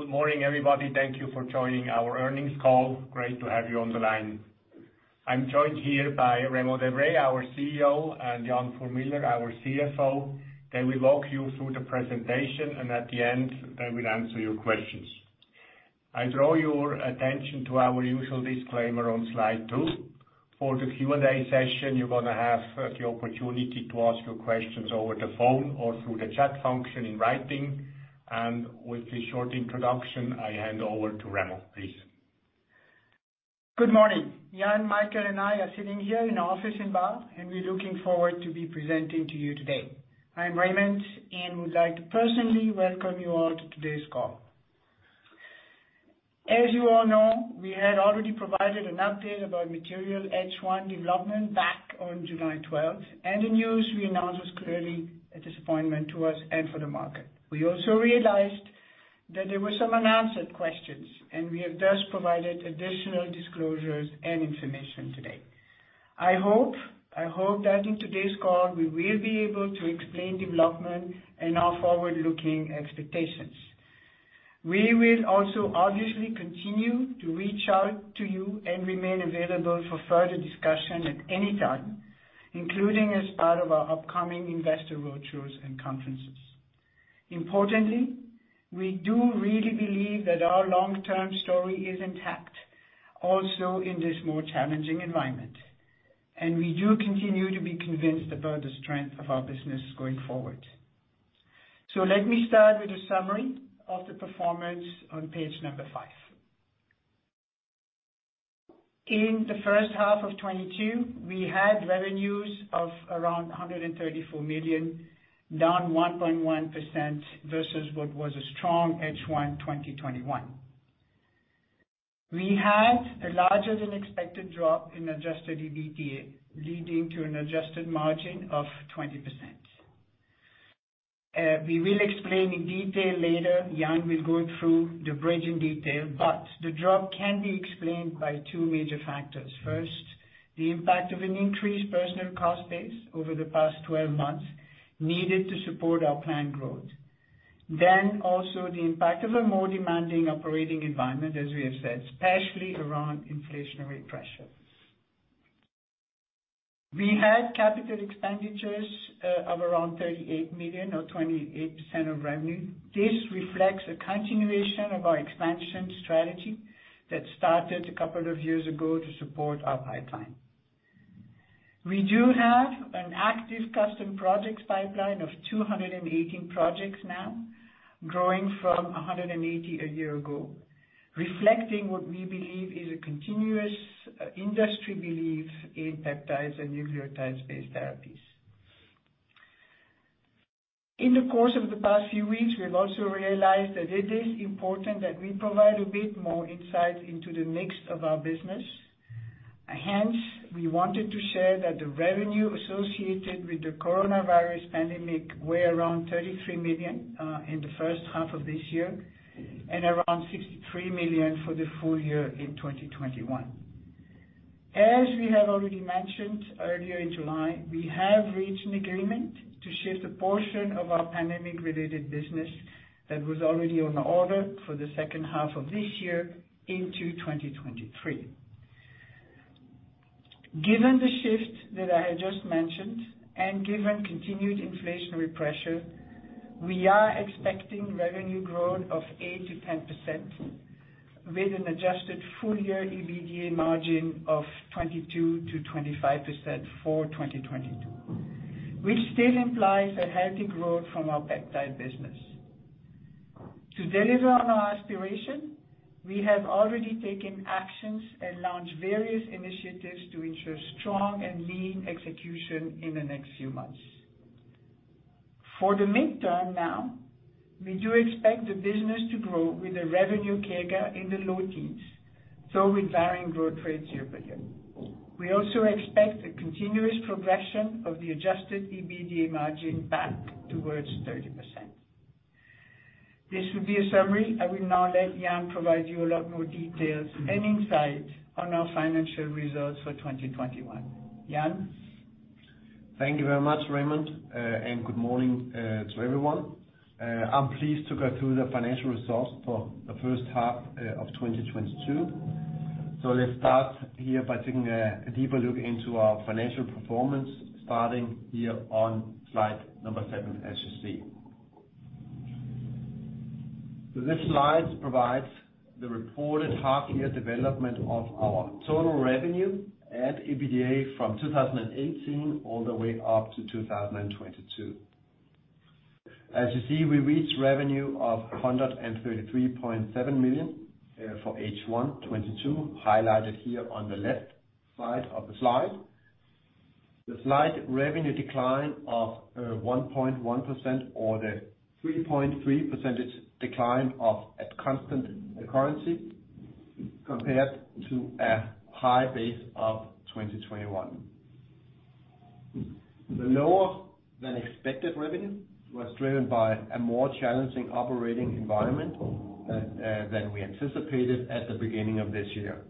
Good morning, everybody. Thank you for joining our earnings call. Great to have you on the line. I'm joined here by Raymond De Vré, our CEO, and Jan Fuhr Miller, our CFO. They will walk you through the presentation, and at the end, they will answer your questions. I draw your attention to our usual disclaimer on slide two. For the Q&A session, you're gonna have the opportunity to ask your questions over the phone or through the chat function in writing. With this short introduction, I hand over to Raymond, please. Good morning. Jan, Michael, and I are sitting here in our office in Baar, and we're looking forward to be presenting to you today. I'm Raymond and would like to personally welcome you all to today's call. As you all know, we had already provided an update about material H1 development back on July twelfth, and the news we announced was clearly a disappointment to us and for the market. We also realized that there were some unanswered questions, and we have thus provided additional disclosures and information today. I hope that in today's call we will be able to explain development and our forward-looking expectations. We will also obviously continue to reach out to you and remain available for further discussion at any time, including as part of our upcoming investor roadshows and conferences. Importantly, we do really believe that our long-term story is intact also in this more challenging environment, and we do continue to be convinced about the strength of our business going forward. Let me start with a summary of the performance on page five. In the first half of 2022, we had revenues of around 134 million, down 1.1% versus what was a strong H1 2021. We had a larger-than-expected drop in adjusted EBITDA, leading to an adjusted margin of 20%. We will explain in detail later. Jan will go through the bridge in detail, but the drop can be explained by two major factors. First, the impact of an increased personal cost base over the past 12 months needed to support our planned growth. Also the impact of a more demanding operating environment, as we have said, especially around inflationary pressures. We had capital expenditures of around 38 million or 28% of revenue. This reflects a continuation of our expansion strategy that started a couple of years ago to support our pipeline. We do have an active custom projects pipeline of 218 projects now, growing from 180 a year ago, reflecting what we believe is a continuous industry belief in peptides and nucleotides-based therapies. In the course of the past few weeks, we have also realized that it is important that we provide a bit more insight into the mix of our business. Hence, we wanted to share that the revenue associated with the coronavirus pandemic were around 33 million in the first half of this year and around 63 million for the full year in 2021. As we have already mentioned earlier in July, we have reached an agreement to shift a portion of our pandemic-related business that was already on order for the second half of this year into 2023. Given the shift that I have just mentioned, and given continued inflationary pressure, we are expecting revenue growth of 8%-10% with an adjusted full-year EBITDA margin of 22%-25% for 2022, which still implies a healthy growth from our peptide business. To deliver on our aspiration, we have already taken actions and launched various initiatives to ensure strong and lean execution in the next few months. For the midterm now, we do expect the business to grow with a revenue CAGR in the low teens, though with varying growth rates year-over-year. We also expect a continuous progression of the adjusted EBITDA margin back towards 30%. This will be a summary. I will now let Jan provide you a lot more details and insight on our financial results for 2021. Jan? Thank you very much, Raymond, and good morning to everyone. I'm pleased to go through the financial results for the first half of 2022. Let's start here by taking a deeper look into our financial performance, starting here on slide seven, as you see. This slide provides the reported half-year development of our total revenue and EBITDA from 2018 all the way up to 2022. As you see, we reached revenue of 133.7 million for H1 2022, highlighted here on the left side of the slide. The slight revenue decline of 1.1% or the 3.3% decline at constant currency compared to a high base of 2021. The lower than expected revenue was driven by a more challenging operating environment than we anticipated at the beginning of this year.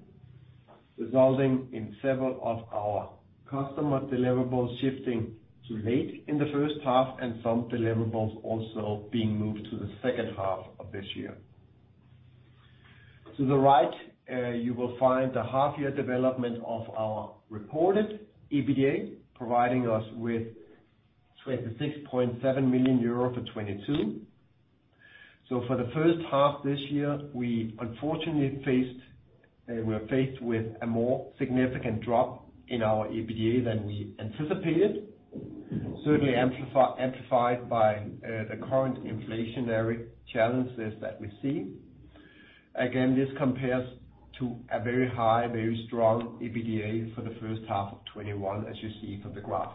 Resulting in several of our customer deliverables shifting to late in the first half and some deliverables also being moved to the second half of this year. To the right, you will find the half-year development of our reported EBITDA, providing us with 26.7 million euro for 2022. For the first half this year, we unfortunately were faced with a more significant drop in our EBITDA than we anticipated. Certainly amplified by the current inflationary challenges that we see. Again, this compares to a very high, very strong EBITDA for the first half of 2021, as you see from the graph.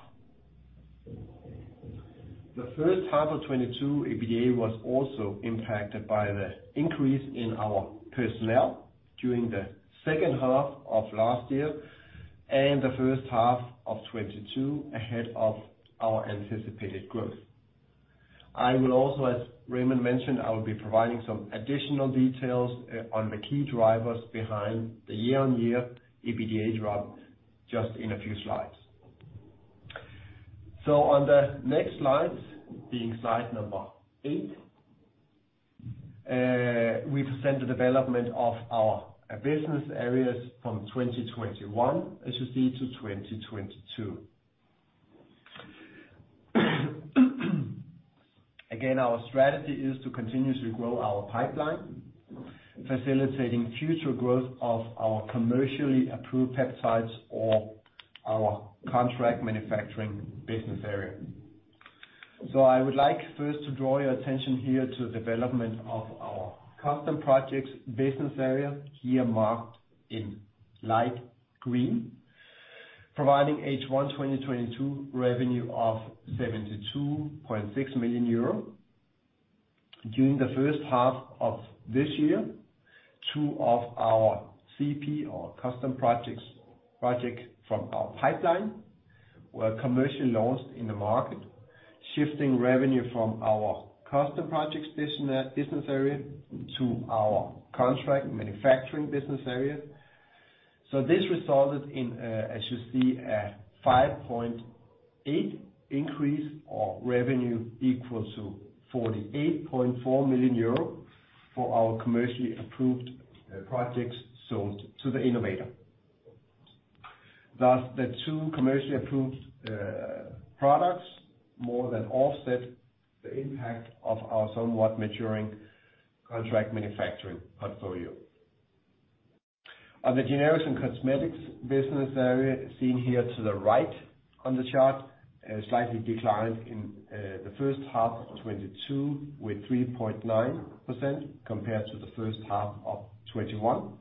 The first half of 2022, EBITDA was also impacted by the increase in our personnel during the second half of last year and the first half of 2022 ahead of our anticipated growth. I will also, as Raymond mentioned, be providing some additional details on the key drivers behind the year-on-year EBITDA drop just in a few slides. On the next slide, being slide number eight, we present the development of our business areas from 2021, as you see, to 2022. Again, our strategy is to continuously grow our pipeline, facilitating future growth of our commercially approved peptides or our contract manufacturing business area. I would like first to draw your attention here to the development of our custom projects business area, here marked in light green, providing H1 2022 revenue of 72.6 million euro. During the first half of this year, two of our CP or custom projects from our pipeline were commercially launched in the market, shifting revenue from our custom projects business area to our contract manufacturing business area. This resulted in, as you see, a 5.8% increase of revenue equal to 48.4 million euro for our commercially approved projects sold to the innovator. Thus, the two commercially approved products more than offset the impact of our somewhat maturing contract manufacturing portfolio. On the generics and cosmetics business area seen here to the right on the chart, slightly declined in the first half of 2022 with 3.9% compared to the first half of 2021.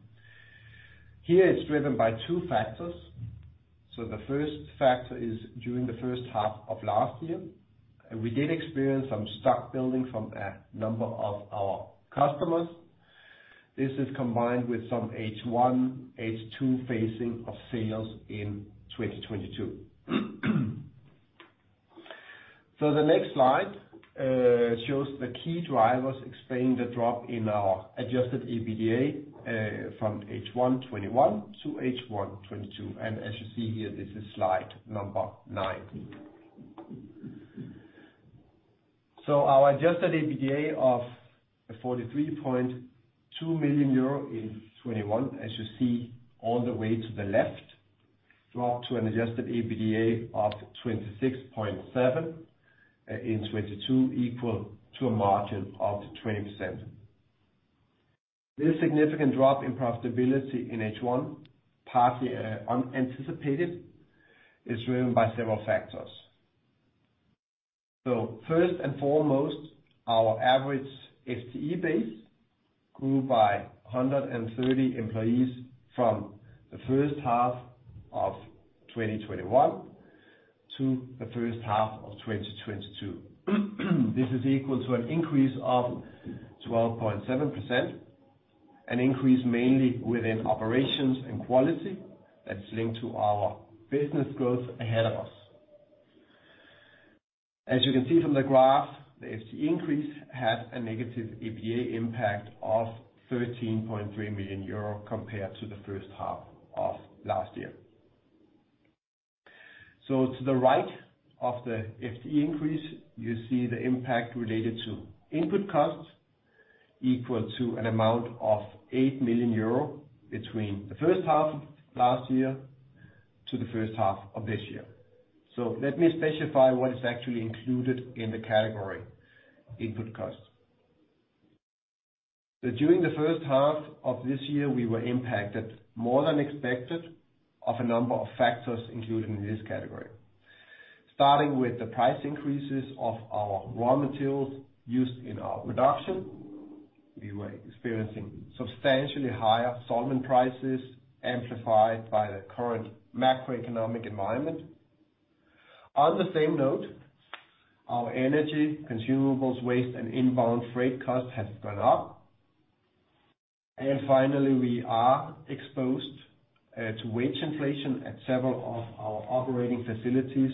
Here, it's driven by two factors. The first factor is during the first half of last year, we did experience some stock building from a number of our customers. This is combined with some H1, H2 phasing of sales in 2022. The next slide shows the key drivers explaining the drop in our adjusted EBITDA from H1 2021 to H1 2022. As you see here, this is slide number nine. Our adjusted EBITDA of 43.2 million euro in 2021, as you see all the way to the left, dropped to an adjusted EBITDA of 26.7 million in 2022 equal to a margin of 20%. This significant drop in profitability in H1, partly unanticipated, is driven by several factors. First and foremost, our average FTE base grew by 130 employees from the first half of 2021 to the first half of 2022. This is equal to an increase of 12.7%, an increase mainly within operations and quality that's linked to our business growth ahead of us. As you can see from the graph, the FTE increase had a negative EBITDA impact of 13.3 million euro compared to the first half of last year. To the right of the FTE increase, you see the impact related to input costs equal to an amount of 8 million euro between the first half of last year to the first half of this year. Let me specify what is actually included in the category input costs. During the first half of this year, we were impacted more than expected by a number of factors included in this category. Starting with the price increases of our raw materials used in our production, we were experiencing substantially higher solvent prices amplified by the current macroeconomic environment. On the same note, our energy, consumables, waste, and inbound freight costs have gone up. Finally, we are exposed to wage inflation at several of our operating facilities.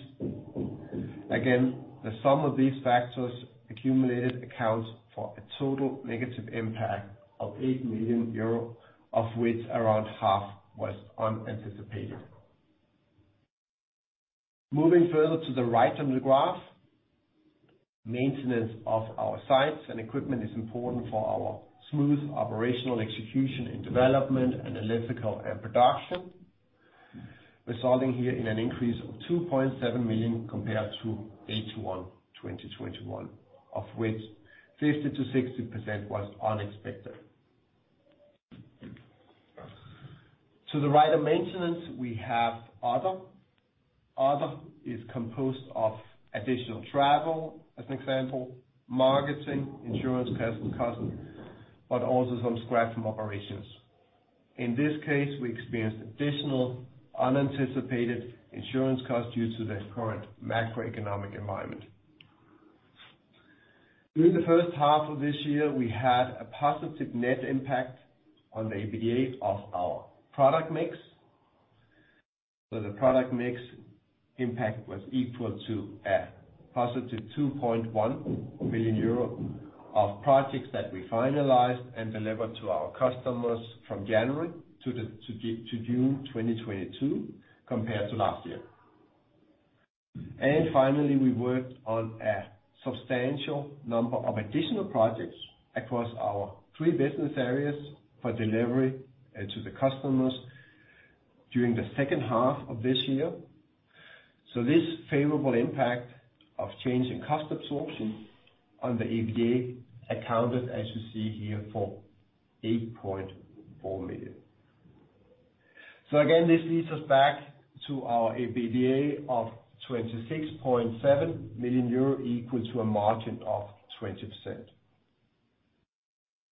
Again, the sum of these factors accumulated accounts for a total negative impact of 8 million euro, of which around half was unanticipated. Moving further to the right on the graph, maintenance of our sites and equipment is important for our smooth operational execution in development, analytical, and production, resulting here in an increase of 2.7 million compared to H1 2021, of which 50%-60% was unexpected. To the right of maintenance we have other. Other is composed of additional travel, as an example, marketing, insurance, personal costs, but also some scrap from operations. In this case, we experienced additional unanticipated insurance costs due to the current macroeconomic environment. During the first half of this year, we had a positive net impact on the EBITDA of our product mix. The product mix impact was equal to a positive 2.1 million euro of projects that we finalized and delivered to our customers from January to June 2022 compared to last year. Finally, we worked on a substantial number of additional projects across our three business areas for delivery to the customers during the second half of this year. This favorable impact of change in cost absorption on the EBITDA accounted, as you see here, for 8.4 million. Again, this leads us back to our EBITDA of 26.7 million euro, equal to a margin of 20%.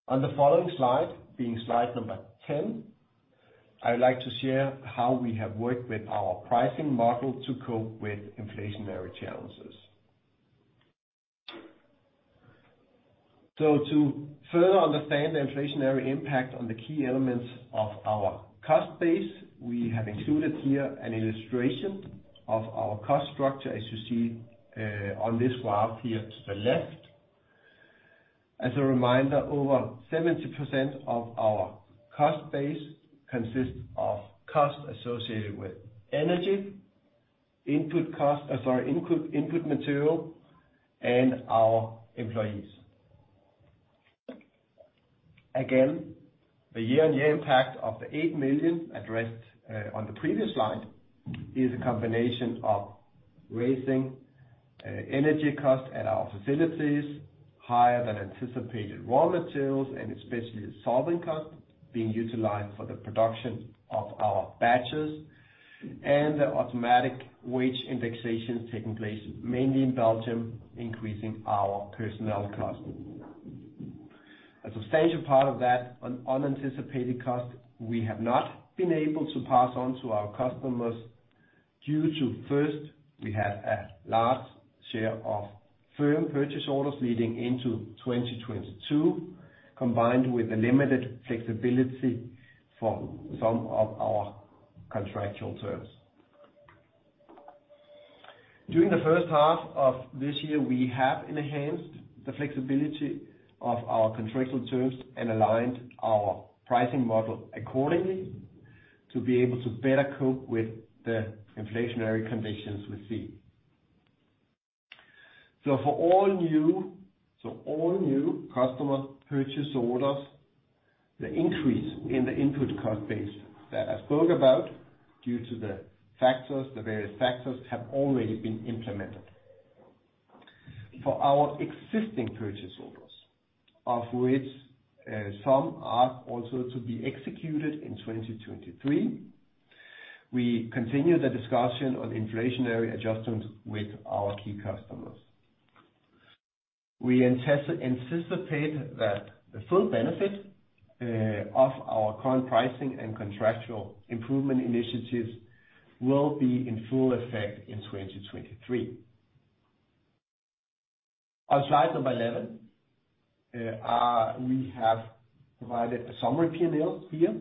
On the following slide, being slide number 10, I would like to share how we have worked with our pricing model to cope with inflationary challenges. To further understand the inflationary impact on the key elements of our cost base, we have included here an illustration of our cost structure, as you see, on this graph here to the left. As a reminder, over 70% of our cost base consists of costs associated with energy, input material, and our employees. Again, the year-on-year impact of the 8 million addressed on the previous slide is a combination of rising energy costs at our facilities, higher than anticipated raw materials, and especially the solvent costs being utilized for the production of our batches, and the automatic wage indexation taking place mainly in Belgium, increasing our personnel costs. A substantial part of that unanticipated cost we have not been able to pass on to our customers due to, first, we have a large share of firm purchase orders leading into 2022, combined with a limited flexibility for some of our contractual terms. During the first half of this year, we have enhanced the flexibility of our contractual terms and aligned our pricing model accordingly to be able to better cope with the inflationary conditions we see. All new customer purchase orders, the increase in the input cost base that I spoke about due to the various factors, have already been implemented. For our existing purchase orders, of which some are also to be executed in 2023, we continue the discussion on inflationary adjustments with our key customers. We anticipate that the full benefit of our current pricing and contractual improvement initiatives will be in full effect in 2023. On slide number 11, we have provided a summary P&L here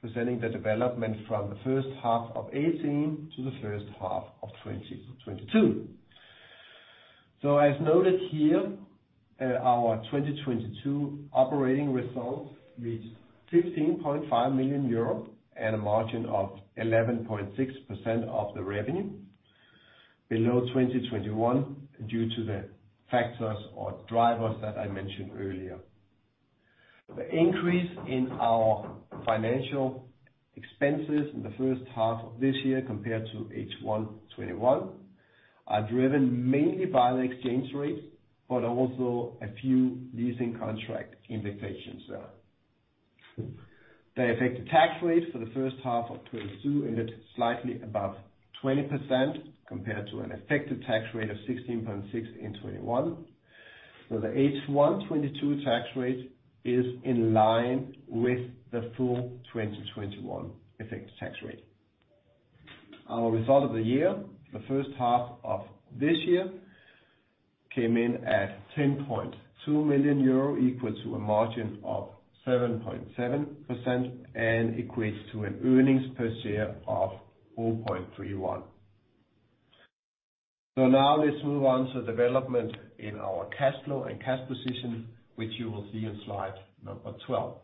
presenting the development from the first half of 2018 to the first half of 2022. As noted here, our 2022 operating results reached 15.5 million euros at a margin of 11.6% of the revenue below 2021 due to the factors or drivers that I mentioned earlier. The increase in our financial expenses in the first half of this year compared to H1 2021 are driven mainly by the exchange rate, but also a few leasing contract indexations there. The effective tax rate for the first half of 2022 ended slightly above 20% compared to an effective tax rate of 16.6% in 2021. The H1 2022 tax rate is in line with the full 2021 effective tax rate. Our result of the year, the first half of this year, came in at 10.2 million euro, equal to a margin of 7.7% and equates to an earnings per share of 4.31. Now let's move on to development in our cash flow and cash position, which you will see in slide number 12.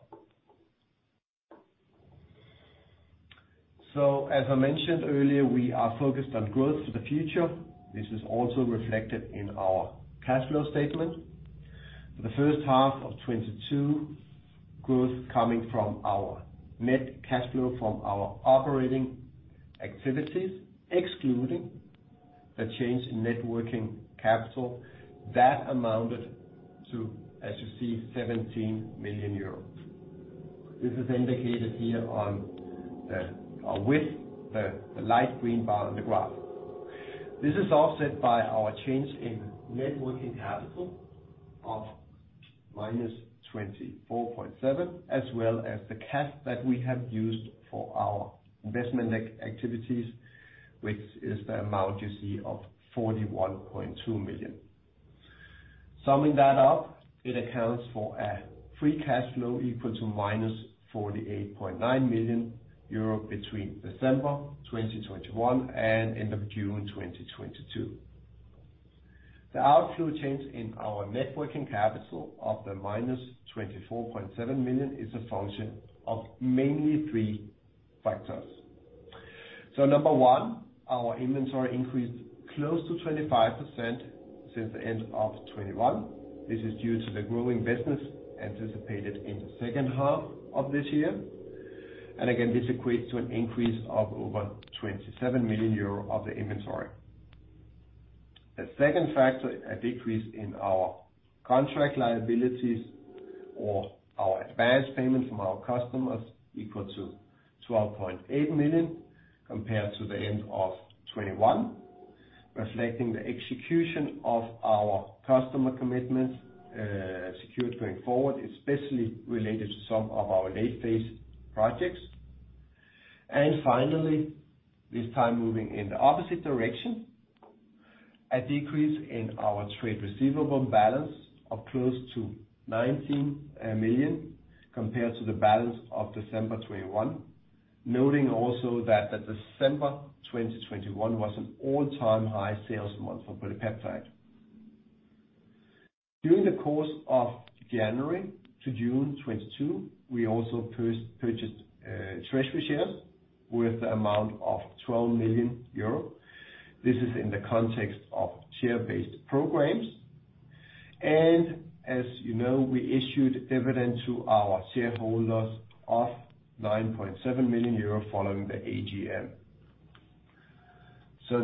As I mentioned earlier, we are focused on growth for the future. This is also reflected in our cash flow statement. The first half of 2022, growth coming from our net cash flow from our operating activities, excluding the change in net working capital. That amounted to, as you see, 17 million euros. This is indicated here on the with the light green bar on the graph. This is offset by our change in net working capital of -24.7, as well as the cash that we have used for our investment activities, which is the amount you see of 41.2 million. Summing that up, it accounts for a free cash flow equal to -48.9 million euro between December 2021 and end of June 2022. The outflow change in our net working capital of the -24.7 million is a function of mainly three factors. Number one, our inventory increased close to 25% since the end of 2021. This is due to the growing business anticipated in the second half of this year. Again, this equates to an increase of over 27 million euro of the inventory. The second factor, a decrease in our contract liabilities or our advance payment from our customers equal to 12.8 million compared to the end of 2021, reflecting the execution of our customer commitments, secured going forward, especially related to some of our late phase projects. Finally, this time moving in the opposite direction, a decrease in our trade receivable balance of close to 19 million compared to the balance of December 2021. Noting also that the December 2021 was an all-time high sales month for PolyPeptide. During the course of January to June 2022, we also purchased treasury shares with the amount of 12 million euro. This is in the context of share-based programs. As you know, we issued dividend to our shareholders of 9.7 million euro following the AGM.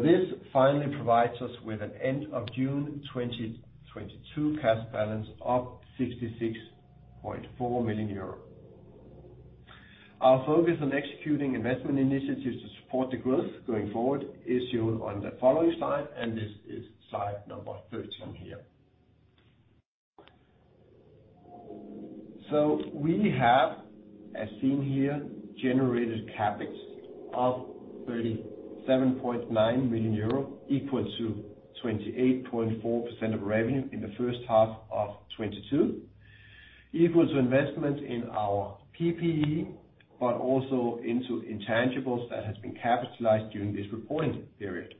This finally provides us with an end of June 2022 cash balance of 66.4 million euro. Our focus on executing investment initiatives to support the growth going forward is shown on the following slide, and this is slide number 13 here. We have, as seen here, generated CapEx of 37.9 million euro, equal to 28.4% of revenue in the first half of 2022, equal to investment in our PPE, but also into intangibles that has been capitalized during this reporting period.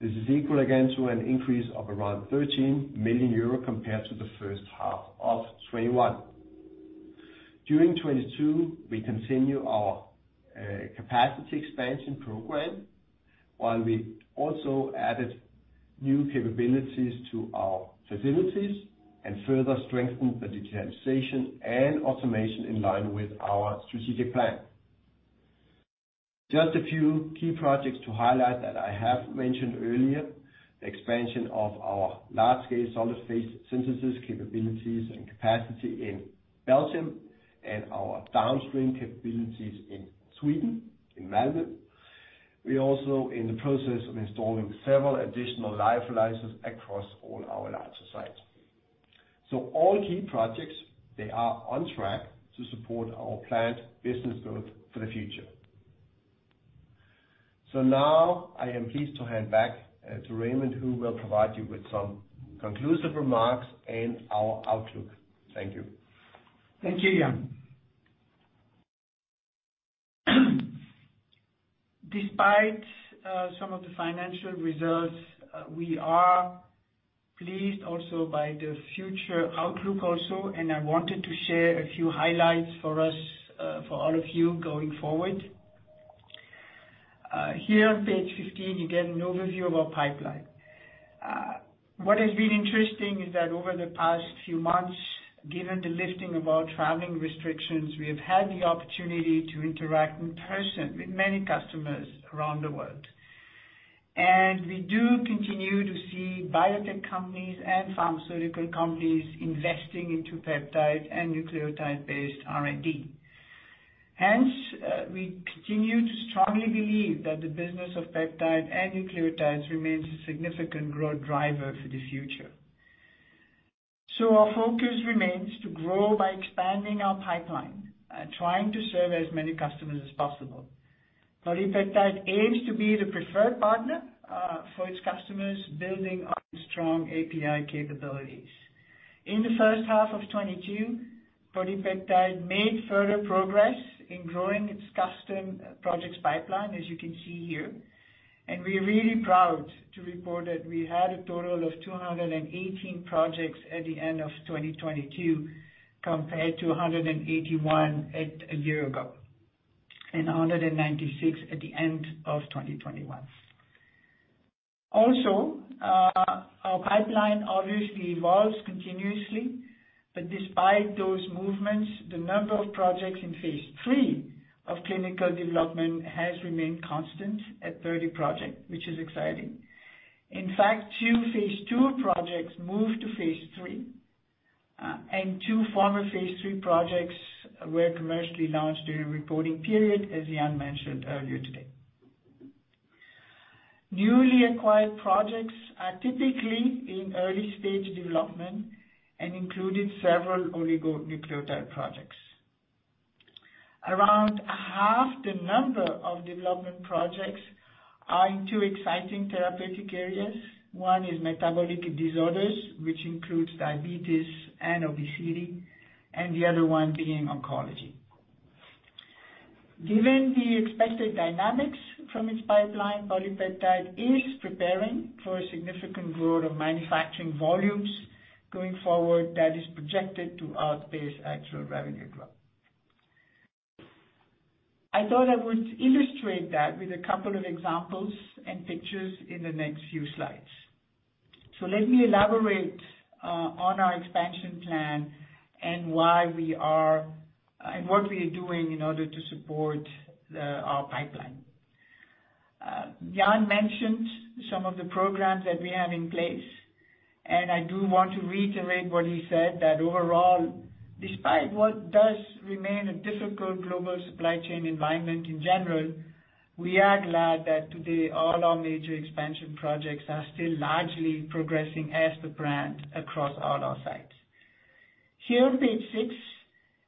This is equal again to an increase of around 13 million euro compared to the first half of 2021. During 2022, we continue our capacity expansion program, while we also added new capabilities to our facilities and further strengthened the digitalization and automation in line with our strategic plan. Just a few key projects to highlight that I have mentioned earlier, the expansion of our large-scale solid phase synthesis capabilities and capacity in Belgium and our downstream capabilities in Sweden, in Malmö. We're also in the process of installing several additional lyophilizers across all our larger sites. All key projects, they are on track to support our planned business growth for the future. Now I am pleased to hand back to Raymond, who will provide you with some conclusive remarks and our outlook. Thank you. Thank you, Jan. Despite some of the financial results, we are pleased also by the future outlook also, and I wanted to share a few highlights for us, for all of you going forward. Here on page 15, you get an overview of our pipeline. What has been interesting is that over the past few months, given the lifting of our traveling restrictions, we have had the opportunity to interact in person with many customers around the world. We do continue to see biotech companies and pharmaceutical companies investing into peptide and nucleotide-based R&D. Hence, we continue to strongly believe that the business of peptide and nucleotides remains a significant growth driver for the future. Our focus remains to grow by expanding our pipeline, trying to serve as many customers as possible. PolyPeptide aims to be the preferred partner for its customers building on strong API capabilities. In the first half of 2022, PolyPeptide made further progress in growing custom projects pipeline, as you can see here. We're really proud to report that we had a total of 218 projects at the end of 2022, compared to 181 at a year ago, and 196 at the end of 2021. Our pipeline obviously evolves continuously, but despite those movements, the number of projects in phase III of clinical development has remained constant at 30 projects, which is exciting. In fact, two phase II projects moved to phase III, and two former phase III projects were commercially launched during the reporting period, as Jan mentioned earlier today. Newly acquired projects are typically in early-stage development and included several oligonucleotide projects. Around half the number of development projects are in two exciting therapeutic areas. One is metabolic disorders, which includes diabetes and obesity, and the other one being oncology. Given the expected dynamics from its pipeline, PolyPeptide is preparing for a significant growth of manufacturing volumes going forward that is projected to outpace actual revenue growth. I thought I would illustrate that with a couple of examples and pictures in the next few slides. Let me elaborate on our expansion plan and what we are doing in order to support our pipeline. Jan mentioned some of the programs that we have in place, and I do want to reiterate what he said, that overall, despite what does remain a difficult global supply chain environment in general, we are glad that today all our major expansion projects are still largely progressing as per planned across all our sites. Here on page six,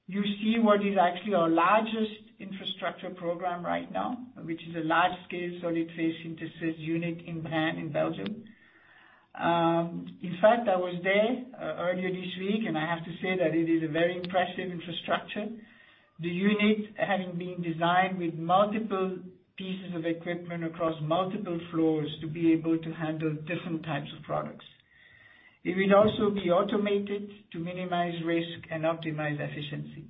you see what is actually our largest infrastructure program right now, which is a large-scale solid phase synthesis unit in Braine-l'Alleud, in Belgium. In fact, I was there earlier this week, and I have to say that it is a very impressive infrastructure. The unit having been designed with multiple pieces of equipment across multiple floors to be able to handle different types of products. It will also be automated to minimize risk and optimize efficiency.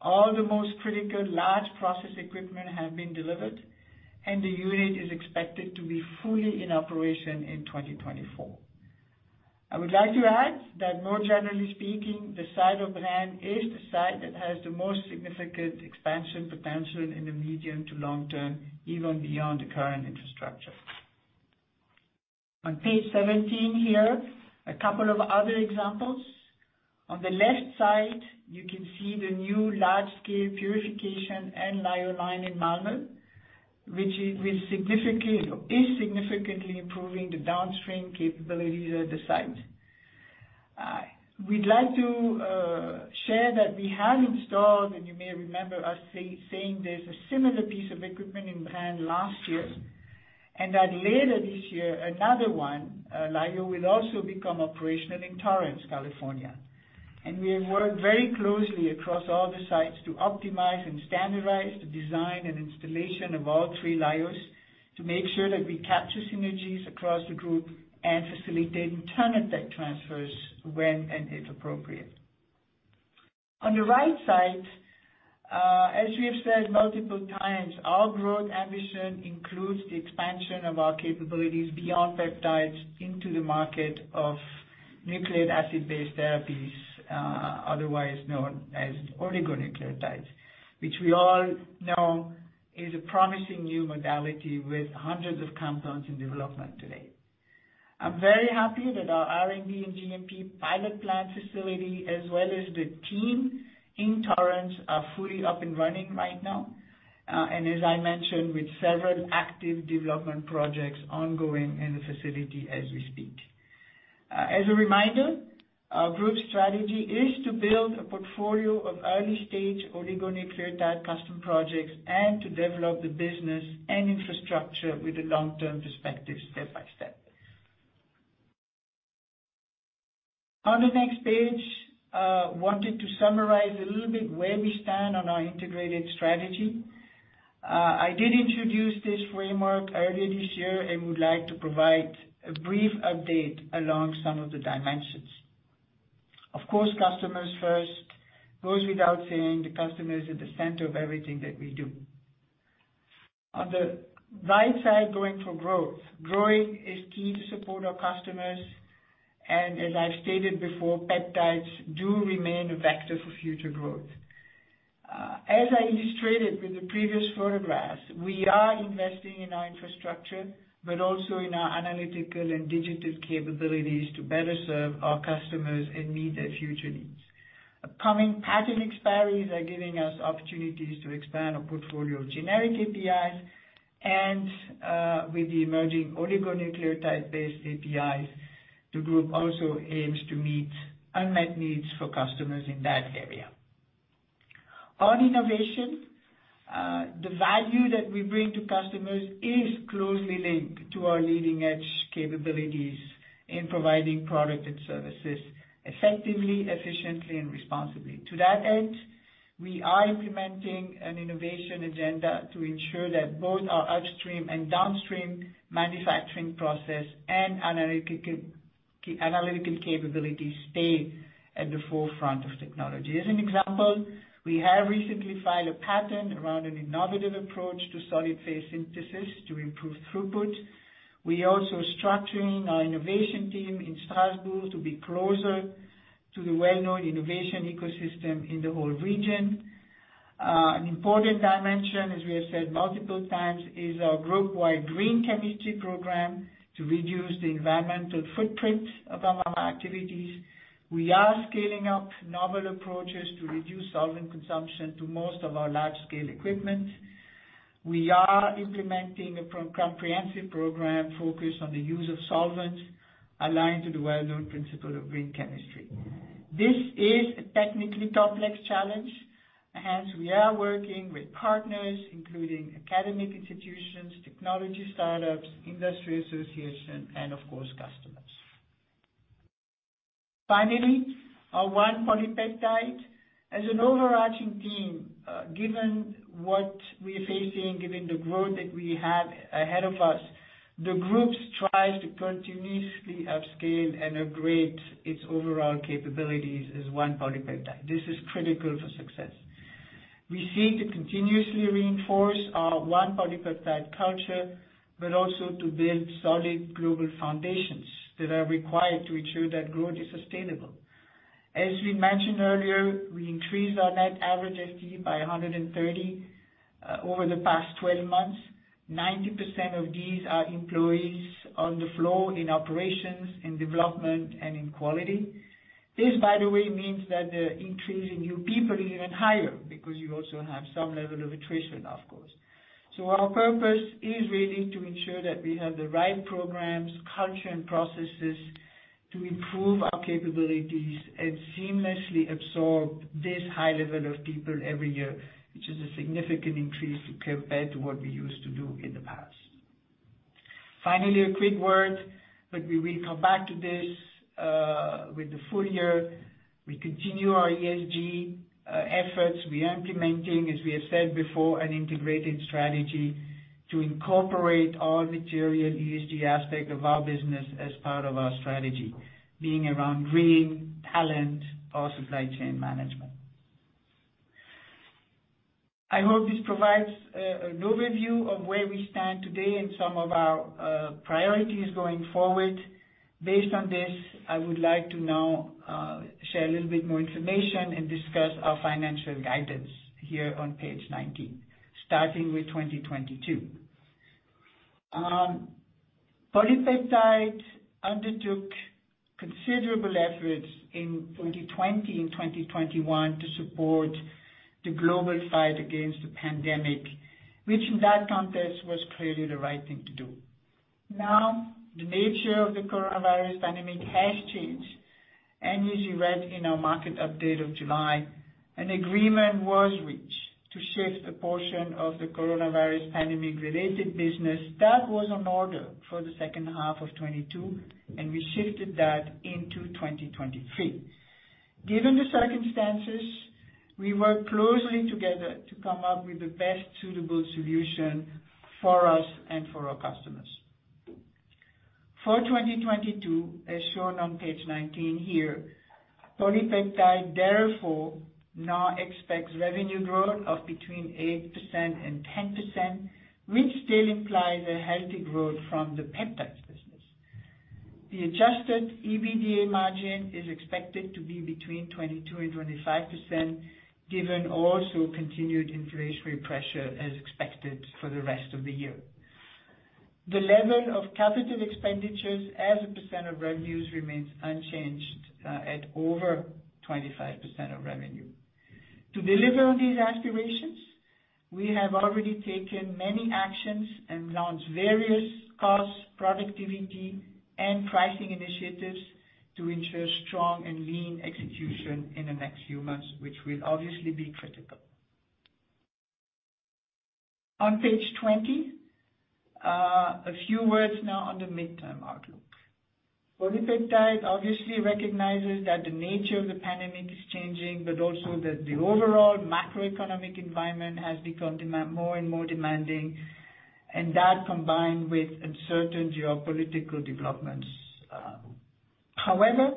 All the most critical large process equipment have been delivered, and the unit is expected to be fully in operation in 2024. I would like to add that more generally speaking, the site of Braine-l'Alleud is the site that has the most significant expansion potential in the medium to long term, even beyond the current infrastructure. On page 17 here, a couple of other examples. On the left side, you can see the new large-scale purification and lyo line in Malmö, which is significantly improving the downstream capabilities at the site. We'd like to share that we have installed, and you may remember us saying this, a similar piece of equipment in Braine-l'Alleud last year, and that later this year, another one, lyo will also become operational in Torrance, California. We have worked very closely across all the sites to optimize and standardize the design and installation of all three lyos to make sure that we capture synergies across the group and facilitate internal tech transfers when and if appropriate. On the right side, as we have said multiple times, our growth ambition includes the expansion of our capabilities beyond peptides into the market of nucleic acid-based therapies, otherwise known as oligonucleotides, which we all know is a promising new modality with hundreds of compounds in development today. I'm very happy that our R&D and GMP pilot plant facility, as well as the team in Torrance, are fully up and running right now. As I mentioned, with several active development projects ongoing in the facility as we speak. As a reminder, our group strategy is to build a portfolio of early-stage oligonucleotide custom projects and to develop the business and infrastructure with a long-term perspective step by step. On the next page, wanted to summarize a little bit where we stand on our integrated strategy. I did introduce this framework earlier this year and would like to provide a brief update along some of the dimensions. Of course, customers first. Goes without saying the customer is at the center of everything that we do. On the right side, going for growth. Growing is key to support our customers, and as I've stated before, peptides do remain a vector for future growth. As I illustrated with the previous photographs, we are investing in our infrastructure, but also in our analytical and digital capabilities to better serve our customers and meet their future needs. Upcoming patent expiries are giving us opportunities to expand our portfolio of generic APIs, and with the emerging oligonucleotide-based APIs, the group also aims to meet unmet needs for customers in that area. On innovation, the value that we bring to customers is closely linked to our leading-edge capabilities in providing product and services effectively, efficiently, and responsibly. To that end, we are implementing an innovation agenda to ensure that both our upstream and downstream manufacturing process and analytical capabilities stay at the forefront of technology. As an example, we have recently filed a patent around an innovative approach to solid phase synthesis to improve throughput. We also structuring our innovation team in Strasbourg to be closer to the well-known innovation ecosystem in the whole region. An important dimension, as we have said multiple times, is our group-wide green chemistry program to reduce the environmental footprint of our activities. We are scaling up novel approaches to reduce solvent consumption to most of our large-scale equipment. We are implementing a comprehensive program focused on the use of solvents aligned to the well-known principle of green chemistry. This is a technically complex challenge, and we are working with partners, including academic institutions, technology startups, industry association, and of course, customers. Finally, our One PolyPeptide. As an overarching team, given what we're facing, given the growth that we have ahead of us, the group tries to continuously upscale and upgrade its overall capabilities as One PolyPeptide. This is critical for success. We seek to continuously reinforce our One PolyPeptide culture, but also to build solid global foundations that are required to ensure that growth is sustainable. As we mentioned earlier, we increased our net average FTE by 130 over the past 12 months. 90% of these are employees on the floor in operations, in development and in quality. This, by the way, means that the increase in new people is even higher because you also have some level of attrition, of course. Our purpose is really to ensure that we have the right programs, culture, and processes to improve our capabilities and seamlessly absorb this high level of people every year, which is a significant increase compared to what we used to do in the past. Finally, a quick word, but we will come back to this with the full year. We continue our ESG efforts. We are implementing, as we have said before, an integrated strategy to incorporate all material ESG aspect of our business as part of our strategy, being around green talent or supply chain management. I hope this provides an overview of where we stand today and some of our priorities going forward. Based on this, I would like to now share a little bit more information and discuss our financial guidance here on page 19, starting with 2022. PolyPeptide undertook considerable efforts in 2020 and 2021 to support the global fight against the pandemic, which in that context was clearly the right thing to do. Now, the nature of the coronavirus dynamic has changed, and as you read in our market update of July, an agreement was reached to shift a portion of the coronavirus pandemic-related business that was on order for the second half of 2022, and we shifted that into 2023. Given the circumstances, we worked closely together to come up with the best suitable solution for us and for our customers. For 2022, as shown on page 19 here, PolyPeptide therefore now expects revenue growth of between 8% and 10%, which still implies a healthy growth from the peptides business. The adjusted EBITDA margin is expected to be between 22% and 25%, given also continued inflationary pressure as expected for the rest of the year. The level of capital expenditures as a percent of revenues remains unchanged, at over 25% of revenue. To deliver on these aspirations, we have already taken many actions and launched various cost, productivity and pricing initiatives to ensure strong and lean execution in the next few months, which will obviously be critical. On page 20, a few words now on the midterm outlook. PolyPeptide obviously recognizes that the nature of the pandemic is changing, but also that the overall macroeconomic environment has become more and more demanding, and that combined with uncertain geopolitical developments. However,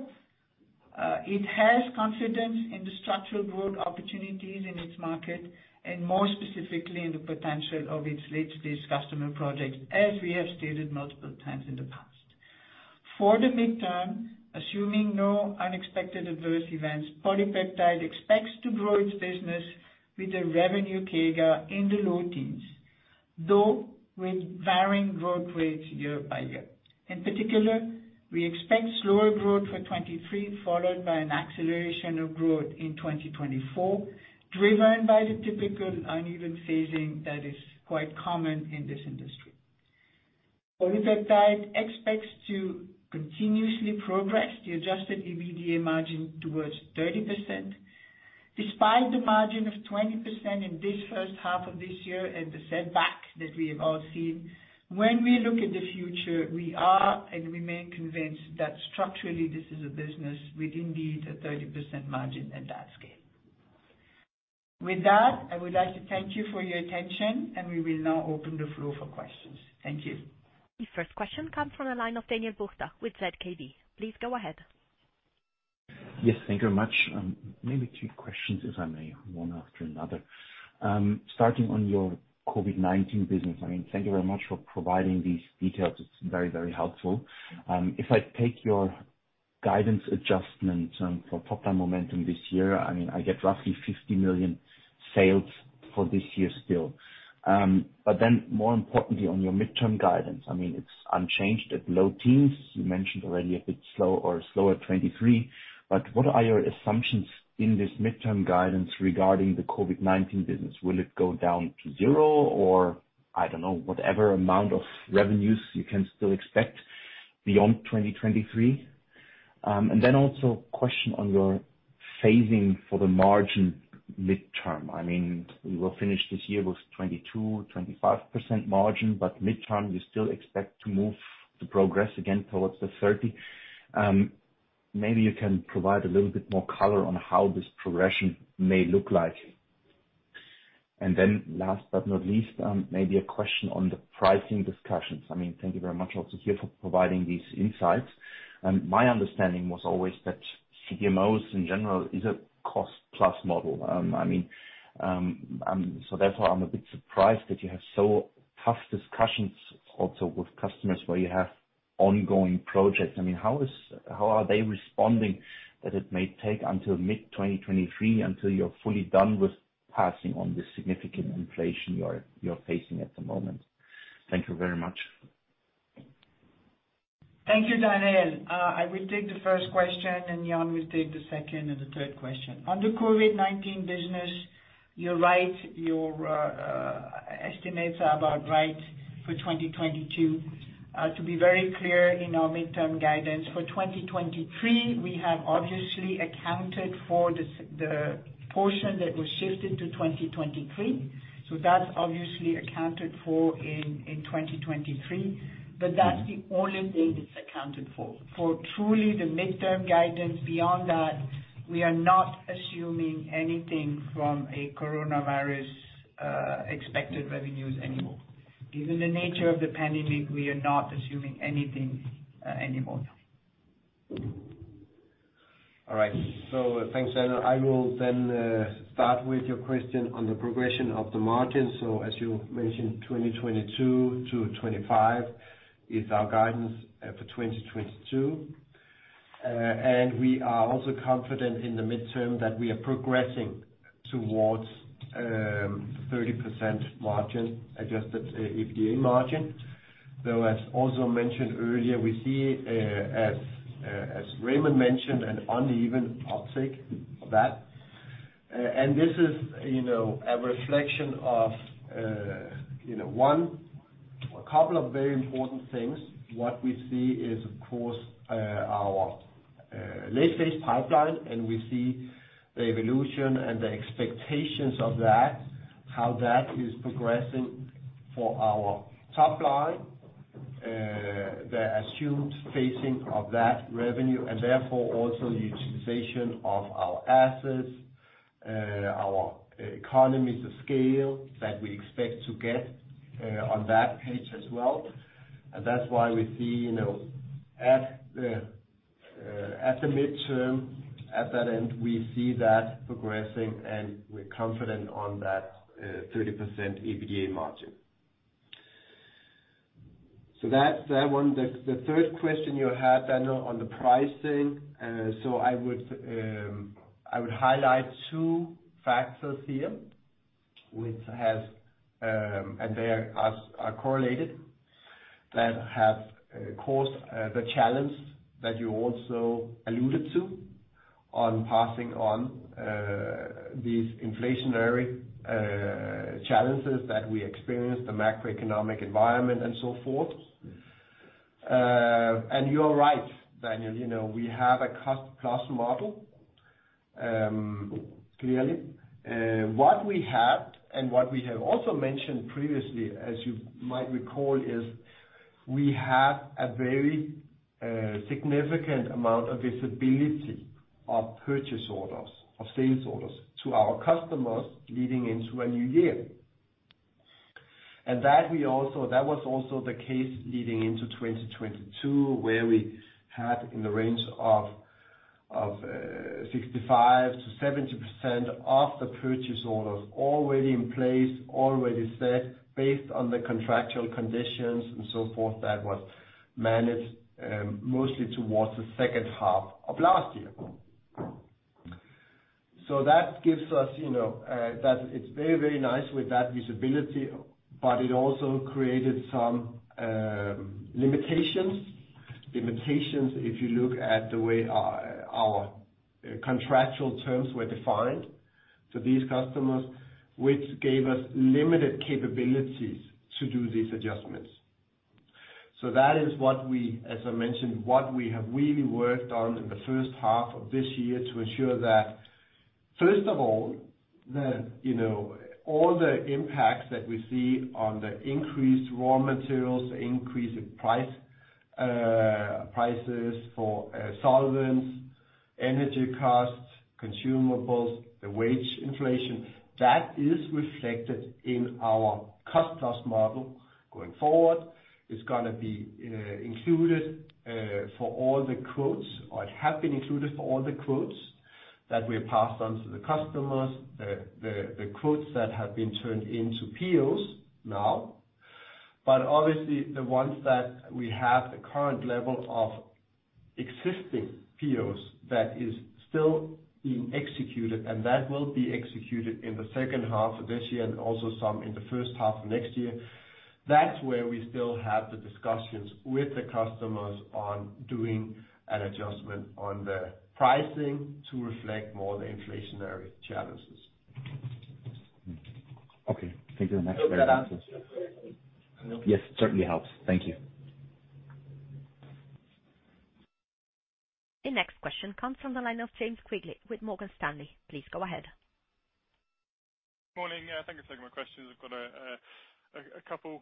it has confidence in the structural growth opportunities in its market and more specifically in the potential of its late-stage customer projects, as we have stated multiple times in the past. For the midterm, assuming no unexpected adverse events, PolyPeptide expects to grow its business with a revenue CAGR in the low teens, though with varying growth rates year by year. In particular, we expect slower growth for 2023, followed by an acceleration of growth in 2024, driven by the typical uneven phasing that is quite common in this industry. PolyPeptide expects to continuously progress the adjusted EBITDA margin towards 30%. Despite the margin of 20% in this first half of this year and the setback that we have all seen, when we look at the future, we are and remain convinced that structurally this is a business with indeed a 30% margin at that scale. With that, I would like to thank you for your attention, and we will now open the floor for questions. Thank you. The first question comes from the line of Daniel Buchta with ZKB. Please go ahead. Yes, thank you very much. Maybe two questions, if I may, one after another. Starting on your COVID-19 business, I mean, thank you very much for providing these details. It's very, very helpful. If I take your guidance adjustment, for top-line momentum this year, I mean, I get roughly 50 million sales for this year still. But then more importantly, on your midterm guidance, I mean, it's unchanged at low teens. You mentioned already a bit slow or slower 2023, but what are your assumptions in this midterm guidance regarding the COVID-19 business? Will it go down to zero or, I don't know, whatever amount of revenues you can still expect beyond 2023? And then also question on your phasing for the margin midterm. I mean, you will finish this year with 22%-25% margin, but midterm, you still expect to move the progress again towards the 30%. Maybe you can provide a little bit more color on how this progression may look like. Last but not least, maybe a question on the pricing discussions. I mean, thank you very much also here for providing these insights. My understanding was always that CDMOs in general is a cost-plus model. I mean, so therefore, I'm a bit surprised that you have so tough discussions also with customers where you have ongoing projects. I mean, how are they responding that it may take until mid-2023 until you're fully done with passing on this significant inflation you're facing at the moment? Thank you very much. Thank you, Daniel. I will take the first question and Jan will take the second and the third question. On the COVID-19 business, you're right. Your estimates are about right for 2022. To be very clear in our midterm guidance, for 2023, we have obviously accounted for the portion that was shifted to 2023. That's obviously accounted for in 2023. That's the only thing that's accounted for. For truly the midterm guidance beyond that, we are not assuming anything from a coronavirus expected revenues anymore. Given the nature of the pandemic, we are not assuming anything anymore. All right. Thanks, Daniel. I will then start with your question on the progression of the margin. As you mentioned, 2022 to 25% is our guidance for 2022. We are also confident in the midterm that we are progressing towards 30% margin, adjusted EBITDA margin. Though, as also mentioned earlier, we see, as Raymond mentioned, an uneven uptick of that. This is, you know, a reflection of, you know, a couple of very important things. What we see is, of course, our late phase pipeline, and we see the evolution and the expectations of that, how that is progressing for our top line, the assumed phasing of that revenue, and therefore also the utilization of our assets, our economies of scale that we expect to get, on that page as well. That's why we see, you know, at the midterm, at that end, we see that progressing, and we're confident on that, 30% EBITDA margin. That's that one. The third question you had, Daniel, on the pricing. I would highlight two factors here which have, and they are correlated, that have caused the challenge that you also alluded to on passing on these inflationary challenges that we experience, the macroeconomic environment and so forth. You're right, Daniel, you know, we have a cost-plus model, clearly. What we have and what we have also mentioned previously, as you might recall, is we have a very significant amount of visibility of purchase orders, of sales orders to our customers leading into a new year. that was also the case leading into 2022, where we had in the range of 65%-70% of the purchase orders already in place, already set based on the contractual conditions and so forth that was managed, mostly towards the second half of last year. That gives us, you know, that it's very, very nice with that visibility, but it also created some limitations. If you look at the way our contractual terms were defined to these customers, which gave us limited capabilities to do these adjustments. That is what we, as I mentioned, what we have really worked on in the first half of this year to ensure that, first of all, you know, all the impacts that we see on the increased raw materials, the increase in price. Prices for solvents, energy costs, consumables, the wage inflation, that is reflected in our cost-plus model going forward. It's gonna be included for all the quotes, or it have been included for all the quotes that we have passed on to the customers. The quotes that have been turned into POs now. Obviously the ones that we have the current level of existing POs that is still being executed and that will be executed in the second half of this year and also some in the first half of next year. That's where we still have the discussions with the customers on doing an adjustment on the pricing to reflect more of the inflationary challenges. Okay. Thank you. That's very helpful. Does that answer? Yes, certainly helps. Thank you. The next question comes from the line of James Quigley with Morgan Stanley. Please go ahead. Morning. Thank you for taking my questions. I've got a couple.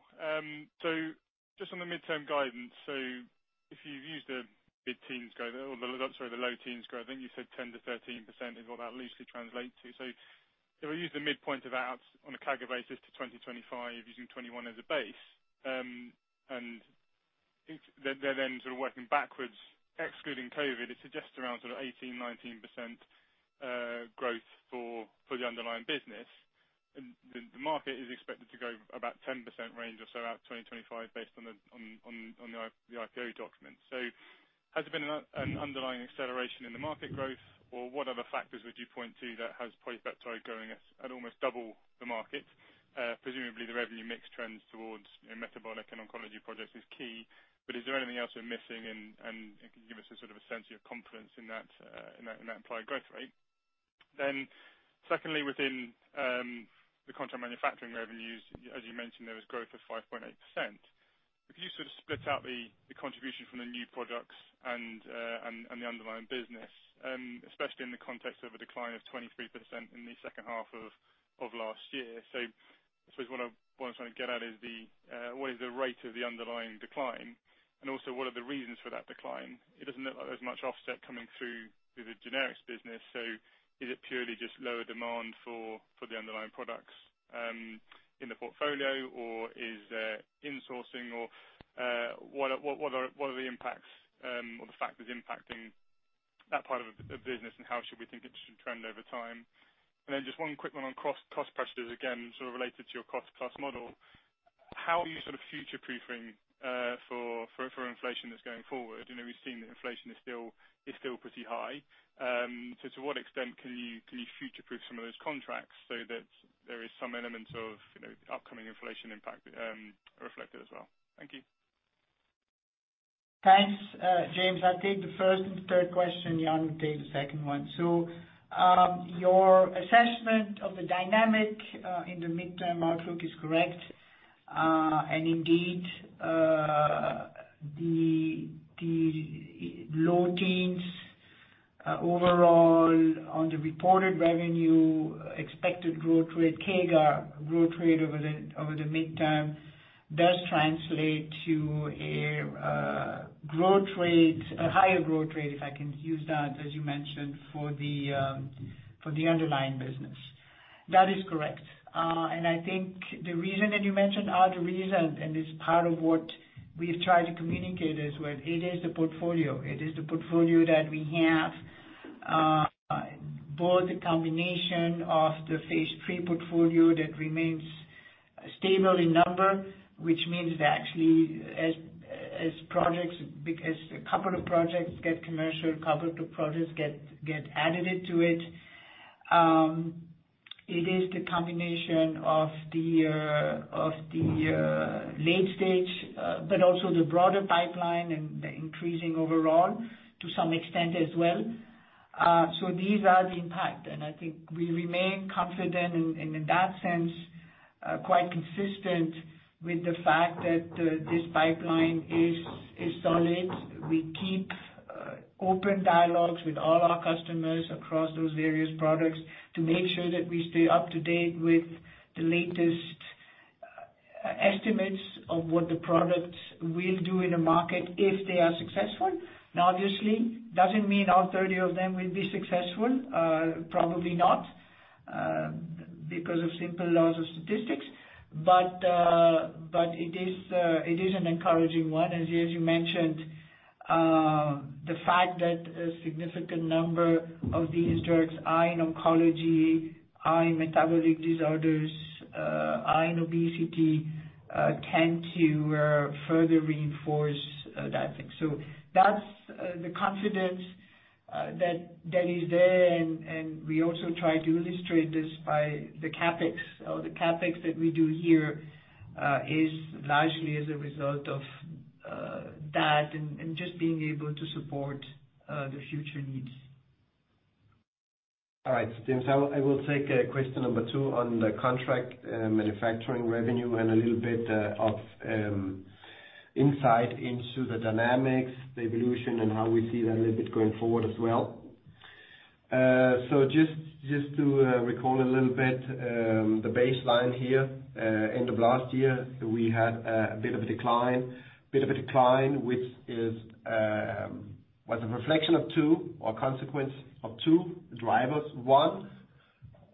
Just on the midterm guidance, if you've used the mid-teens growth or the low teens growth, I think you said 10%-13% is what that loosely translates to. If we use the midpoint of that on a CAGR basis to 2025 using 2021 as a base, and it's sort of working backwards, excluding COVID, it suggests around sort of 18%-19% growth for the underlying business. The market is expected to grow about 10% range or so out to 2025 based on the IPO documents. Has there been an underlying acceleration in the market growth? What other factors would you point to that has PolyPeptide growing at almost double the market? Presumably the revenue mix trends towards metabolic and oncology products is key. Is there anything else we're missing and could you give us a sort of a sense of your confidence in that implied growth rate? Secondly, within the contract manufacturing revenues, as you mentioned, there was growth of 5.8%. Could you sort of split out the contribution from the new products and the underlying business, especially in the context of a decline of 23% in the second half of last year. I suppose what I'm trying to get at is what is the rate of the underlying decline? Also what are the reasons for that decline? It doesn't look like there's much offset coming through with the generics business. Is it purely just lower demand for the underlying products in the portfolio? Or is there insourcing or what are the impacts or the factors impacting that part of the business and how should we think it should trend over time? Then just one quick one on cost pressures, again, sort of related to your cost-plus model. How are you sort of future-proofing for inflation that's going forward? You know, we've seen that inflation is still pretty high. To what extent can you future-proof some of those contracts so that there is some element of, you know, upcoming inflation impact reflected as well? Thank you. Thanks, James. I'll take the first and third question. Jan will take the second one. Your assessment of the dynamic in the midterm outlook is correct. And indeed, the low teens overall on the reported revenue expected growth rate, CAGR growth rate over the midterm does translate to a growth rate, a higher growth rate, if I can use that, as you mentioned, for the underlying business. That is correct. And I think the reason that you mentioned are the reason, and it's part of what we've tried to communicate as well. It is the portfolio. It is the portfolio that we have, both the combination of the phase three portfolio that remains stable in number, which means that actually as projects, because a couple of projects get commercial, a couple of projects get added into it. It is the combination of the late stage, but also the broader pipeline and increasing overall to some extent as well. These are the impact, and I think we remain confident and in that sense, quite consistent with the fact that, this pipeline is solid. We keep open dialogues with all our customers across those various products to make sure that we stay up to date with the latest estimates of what the products will do in the market if they are successful. Now, obviously, doesn't mean all 30 of them will be successful. Probably not, because of simple laws of statistics. It is an encouraging one. As you mentioned, the fact that a significant number of these drugs are in oncology, are in metabolic disorders, are in obesity, tend to further reinforce that thing. That's the confidence that is there and we also try to illustrate this by the CapEx. The CapEx that we do here is largely as a result of that and just being able to support the future needs. All right, James. I will take question number two on the contract manufacturing revenue and a little bit of insight into the dynamics, the evolution and how we see that a little bit going forward as well. So just to recall a little bit, the baseline here, end of last year, we had a bit of a decline. A bit of a decline, which was a reflection of two or consequence of two drivers. One,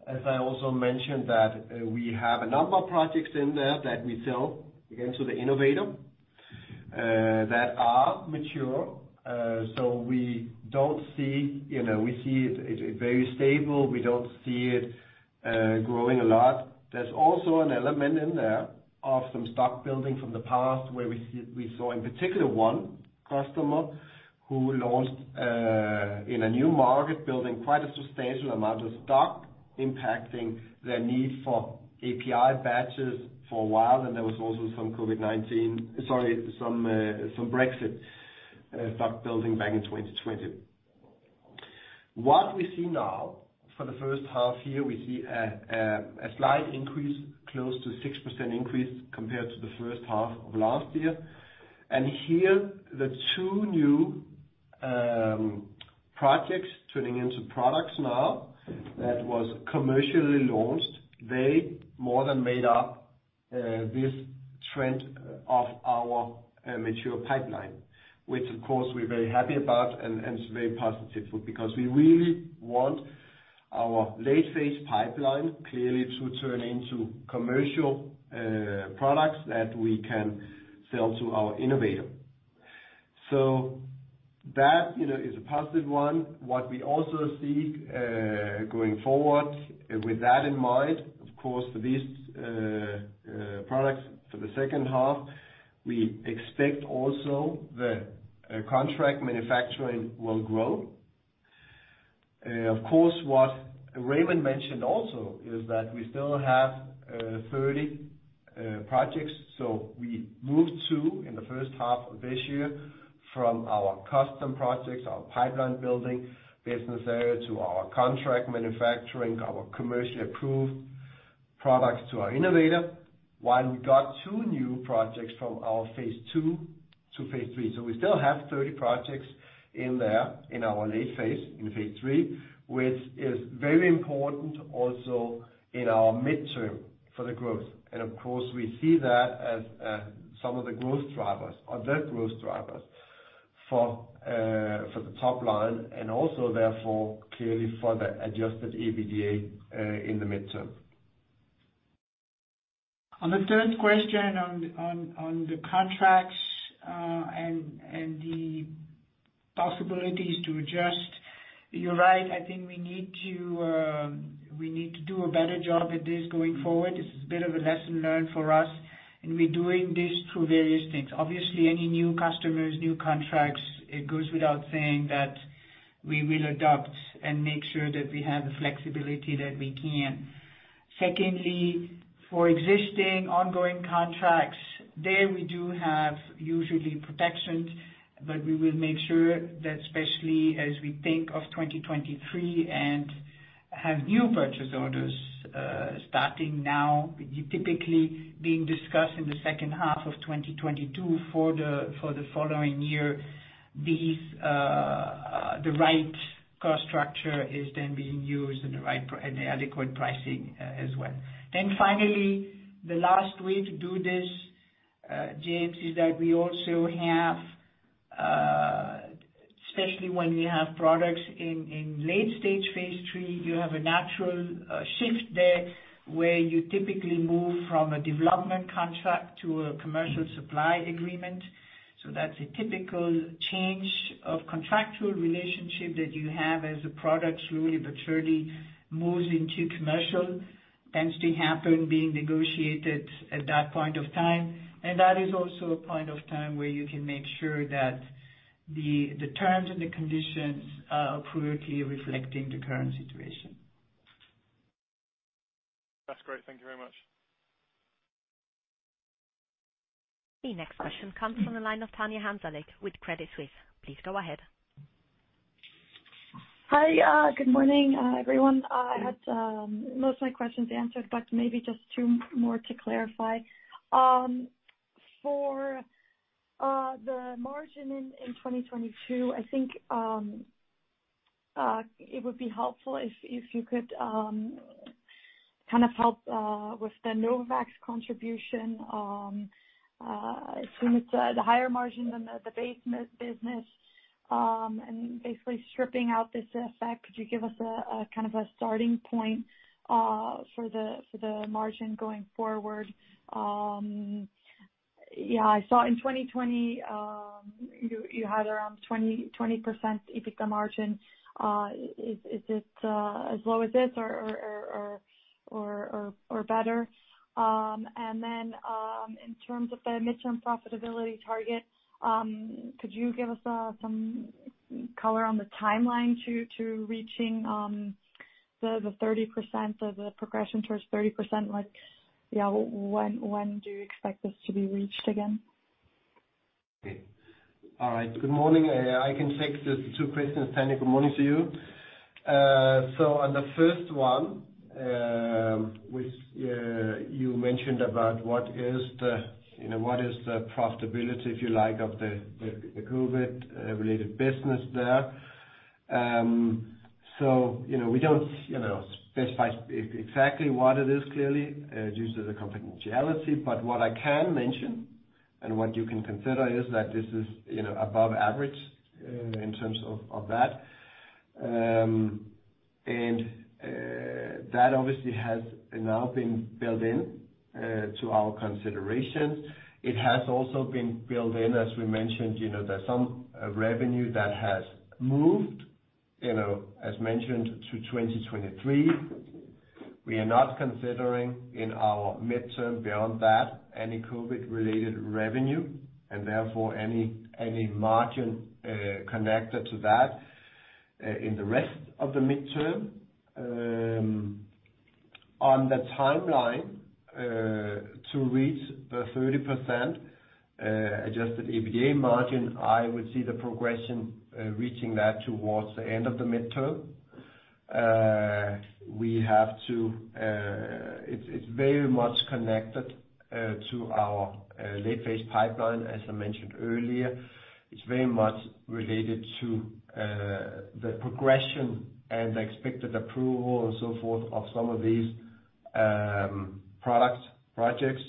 as I also mentioned that, we have a number of projects in there that we sell, again, to the innovator, that are mature. So we don't see. You know, we see it very stable. We don't see it growing a lot. There's also an element in there of some stock building from the past, where we saw in particular one customer who launched in a new market, building quite a substantial amount of stock, impacting their need for API batches for a while. There was also some Brexit stock building back in 2020. What we see now for the first half year, we see a slight increase, close to 6% increase compared to the first half of last year. Here, the two new projects turning into products now that was commercially launched, they more than made up this trend of our mature pipeline. Which of course we're very happy about and it's very positive for, because we really want our late phase pipeline clearly to turn into commercial products that we can sell to our innovator. That, you know, is a positive one. What we also see going forward with that in mind, of course, these products for the second half, we expect also that contract manufacturing will grow. Of course, what Raymond De Vré mentioned also is that we still have 30 projects. We moved two in the first half of this year from our custom projects, our pipeline building business area, to our contract manufacturing, our commercially approved products to our innovator, while we got two new projects from our phase II to phase III. We still have 30 projects in there in our late phase, in phase III, which is very important also in our midterm for the growth. Of course, we see that as some of the growth drivers for the top line and also therefore clearly for the adjusted EBITDA in the midterm. On the third question on the contracts and the possibilities to adjust, you're right. I think we need to do a better job at this going forward. This is a bit of a lesson learned for us, and we're doing this through various things. Obviously, any new customers, new contracts, it goes without saying that we will adapt and make sure that we have the flexibility that we can. Secondly, for existing ongoing contracts, there we do have usually protections, but we will make sure that especially as we think of 2023 and have new purchase orders starting now, typically being discussed in the second half of 2022 for the following year, these the right cost structure is then being used and the adequate pricing as well. Finally, the last way to do this, James, is that we also have, especially when you have products in late stage phase three, you have a natural shift there, where you typically move from a development contract to a commercial supply agreement. That's a typical change of contractual relationship that you have as a product slowly but surely moves into commercial. It tends to happen being negotiated at that point of time. That is also a point of time where you can make sure that the terms and the conditions are clearly reflecting the current situation. That's great. Thank you very much. The next question comes from the line of Tanya Hansalik with Credit Suisse. Please go ahead. Hi. Good morning, everyone. I had most of my questions answered, but maybe just two more to clarify. For the margin in 2022, I think it would be helpful if you could kind of help with the Novavax contribution, assuming it's a higher margin than the base business, and basically stripping out this effect. Could you give us a kind of a starting point for the margin going forward? Yeah, I saw in 2020, you had around 20% EBITDA margin. Is it as low as this or better? In terms of the midterm profitability target, could you give us some color on the timeline to reaching the 30% or the progression towards 30%? Like, yeah, when do you expect this to be reached again? Okay. All right. Good morning. Yeah, I can take the two questions. Tanya, good morning to you. So on the first one, which you mentioned about what is the profitability, if you like, of the COVID related business there. So, you know, we don't specify exactly what it is clearly due to the confidentiality. What I can mention, and what you can consider, is that this is above average in terms of that. That obviously has now been built in to our considerations. It has also been built in, as we mentioned, you know, there's some revenue that has moved, as mentioned, to 2023. We are not considering in our midterm beyond that any COVID-related revenue and therefore any margin connected to that in the rest of the midterm. On the timeline to reach the 30% adjusted EBITDA margin, I would see the progression reaching that towards the end of the midterm. It's very much connected to our late-phase pipeline, as I mentioned earlier. It's very much related to the progression and the expected approval and so forth of some of these products, projects.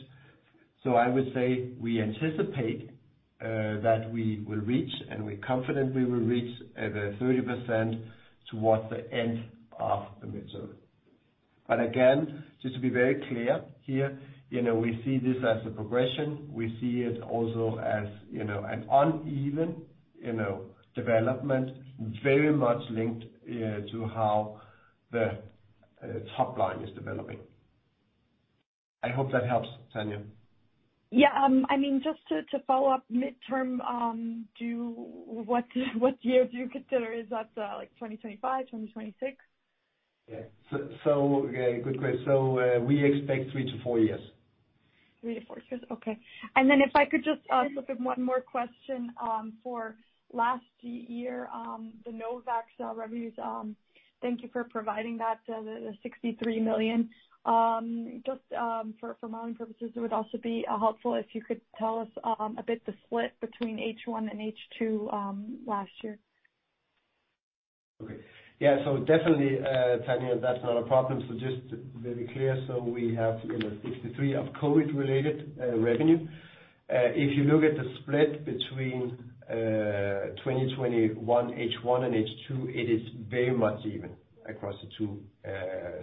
I would say we anticipate that we will reach, and we confidently will reach, the 30% towards the end of the midterm. Again, just to be very clear here, you know, we see this as a progression. We see it also as, you know, an uneven, you know, development, very much linked to how the top line is developing. I hope that helps, Tanya. I mean, just to follow up midterm, what year do you consider? Is that, like, 2025? 2026? Yeah. Yeah, good question. We expect 3-4 years. 3-4 years. Okay. If I could just slip in one more question for last year. The Novavax revenues, thank you for providing that, the 63 million. Just for my own purposes, it would also be helpful if you could tell us a bit about the split between H1 and H2 last year. Okay. Yeah, definitely, Tanya, that's not a problem. Just to be very clear, so we have, you know, 63 of COVID-related revenue. If you look at the split between 2021, H1 and H2, it is very much even across the two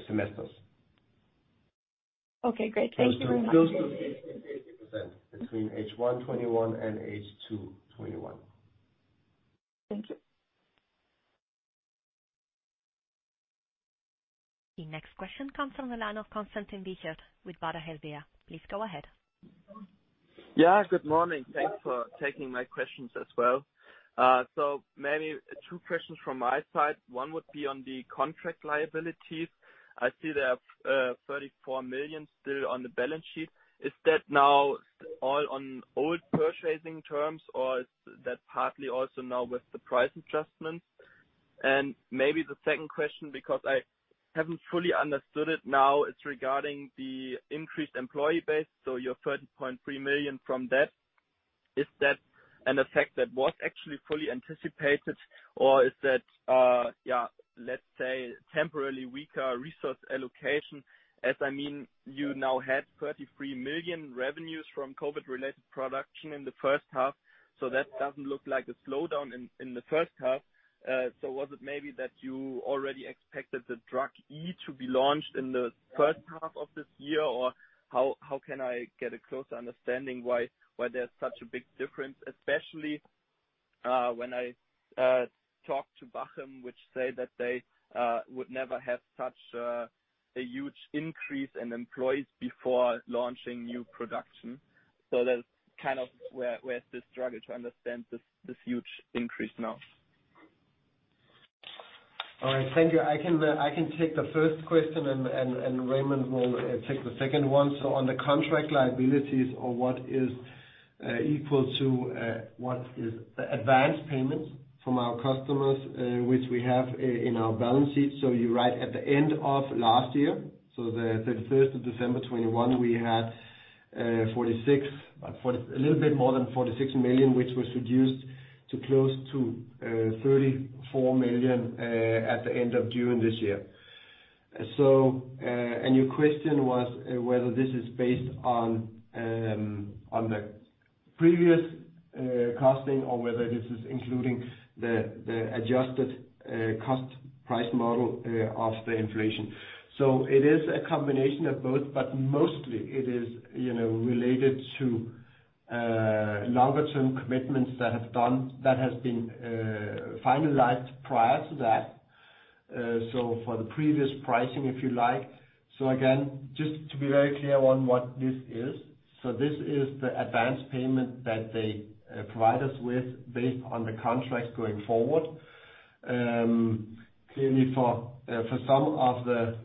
semesters. Okay, great. Thank you very much. Close to 50/50% between H1 2021 and H2 2021. Thank you. The next question comes from the line of Konstantin Wiechert with Baader Helvea. Please go ahead. Yeah, good morning. Thanks for taking my questions as well. Maybe two questions from my side. One would be on the contract liabilities. I see there are 34 million still on the balance sheet. Is that now all on old purchasing terms, or is that partly also now with the price adjustments? Maybe the second question, because I haven't fully understood it now, it's regarding the increased employee base, so your 30.3 million from that. Is that an effect that was actually fully anticipated, or is that, yeah, let's say temporarily weaker resource allocation? I mean, you now had 33 million revenues from COVID-related production in the first half, so that doesn't look like a slowdown in the first half. Was it maybe that you already expected the drug E to be launched in the first half of this year? How can I get a closer understanding why there's such a big difference? Especially, when I talk to Bachem, which say that they would never have such a huge increase in employees before launching new production. That's kind of where it's the struggle to understand this huge increase now. All right. Thank you. I can take the first question and Raymond will take the second one. On the contract liabilities or what is equal to what is advance payments from our customers, which we have in our balance sheet. You're right, at the end of last year, the thirty-first of December 2021, we had a little bit more than 46 million, which was reduced to close to 34 million at the end of June this year. Your question was whether this is based on the previous costing or whether this is including the adjusted cost-plus model of the inflation. It is a combination of both, but mostly it is, you know, related to longer term commitments that have done. That has been finalized prior to that. For the previous pricing, if you like. Again, just to be very clear on what this is. This is the advance payment that they provide us with based on the contracts going forward. Clearly, for some of the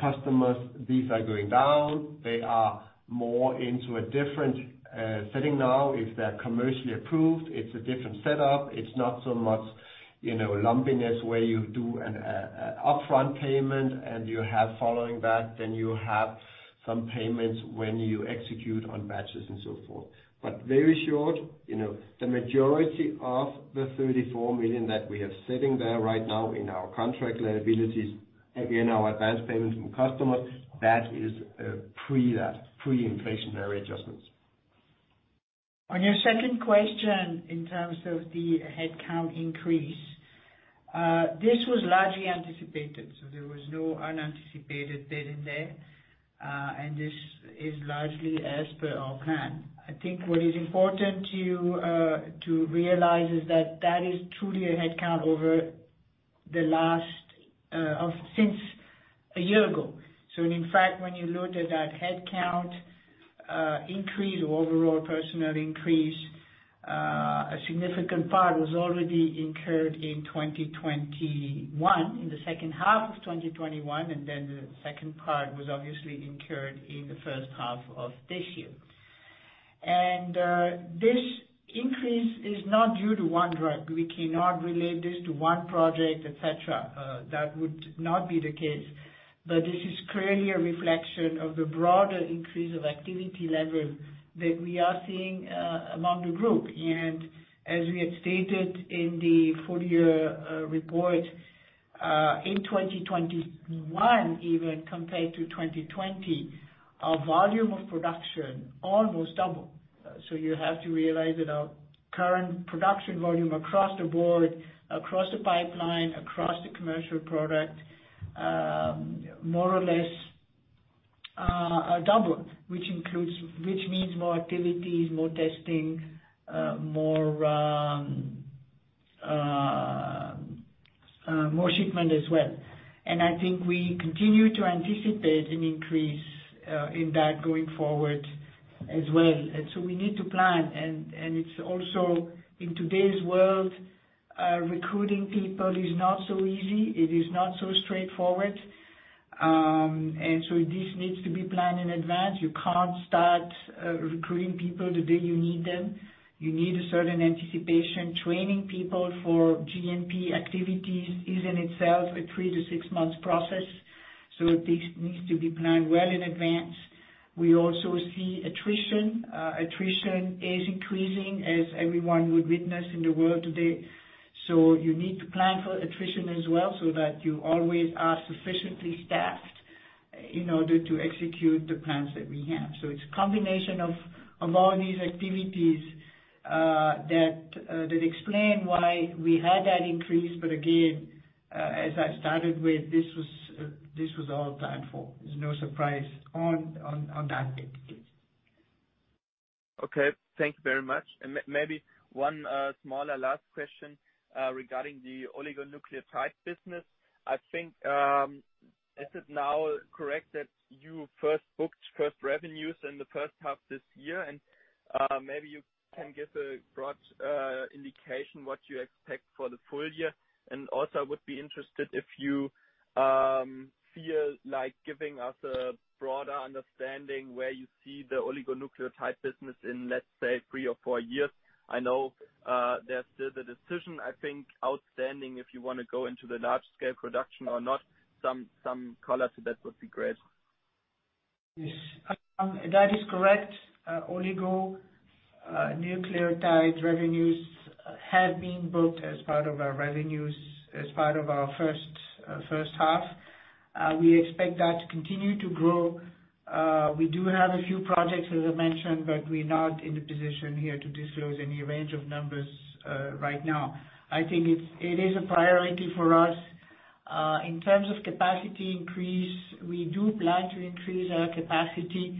customers, these are going down, they are more into a different setting now. If they're commercially approved, it's a different setup. It's not so much, you know, lumpiness where you do an upfront payment and you have following that, then you have some payments when you execute on batches and so forth. Very short, you know, the majority of the 34 million that we have sitting there right now in our contract liabilities, again, our advance payments from customers, that is pre-inflationary adjustments. On your second question, in terms of the headcount increase, this was largely anticipated, so there was no unanticipated there. This is largely as per our plan. I think what is important to realize is that that is truly a headcount over the last since a year ago. In fact, when you look at that headcount increase or overall personnel increase, a significant part was already incurred in 2021, in the second half of 2021, and then the second part was obviously incurred in the first half of this year. This increase is not due to one drug. We cannot relate this to one project, et cetera. That would not be the case. This is clearly a reflection of the broader increase of activity levels that we are seeing among the group. As we had stated in the full year report in 2021, even compared to 2020, our volume of production almost doubled. You have to realize that our current production volume across the board, across the pipeline, across the commercial product, more or less, are double, which means more activities, more testing, more shipment as well. I think we continue to anticipate an increase in that going forward as well. We need to plan. It's also in today's world, recruiting people is not so easy. It is not so straightforward. This needs to be planned in advance. You can't start recruiting people the day you need them. You need a certain anticipation. Training people for GMP activities is in itself a 3-6 months process. This needs to be planned well in advance. We also see attrition. Attrition is increasing as everyone would witness in the world today. You need to plan for attrition as well, so that you always are sufficiently staffed in order to execute the plans that we have. It's a combination of all these activities that explain why we had that increase. Again, as I started with, this was all planned for. There's no surprise on that particular. Okay, thank you very much. Maybe one smaller last question regarding the oligonucleotide business. I think, is it now correct that you first booked revenues in the first half this year? Maybe you can give a broad indication what you expect for the full year. Also I would be interested if you feel like giving us a broader understanding where you see the oligonucleotide business in, let's say, three or four years. I know there's still the decision, I think, outstanding, if you wanna go into the large scale production or not. Some color to that would be great. Yes. That is correct. Oligonucleotide revenues have been booked as part of our revenues as part of our first half. We expect that to continue to grow. We do have a few projects, as I mentioned, but we're not in a position here to disclose any range of numbers right now. I think it is a priority for us. In terms of capacity increase, we do plan to increase our capacity.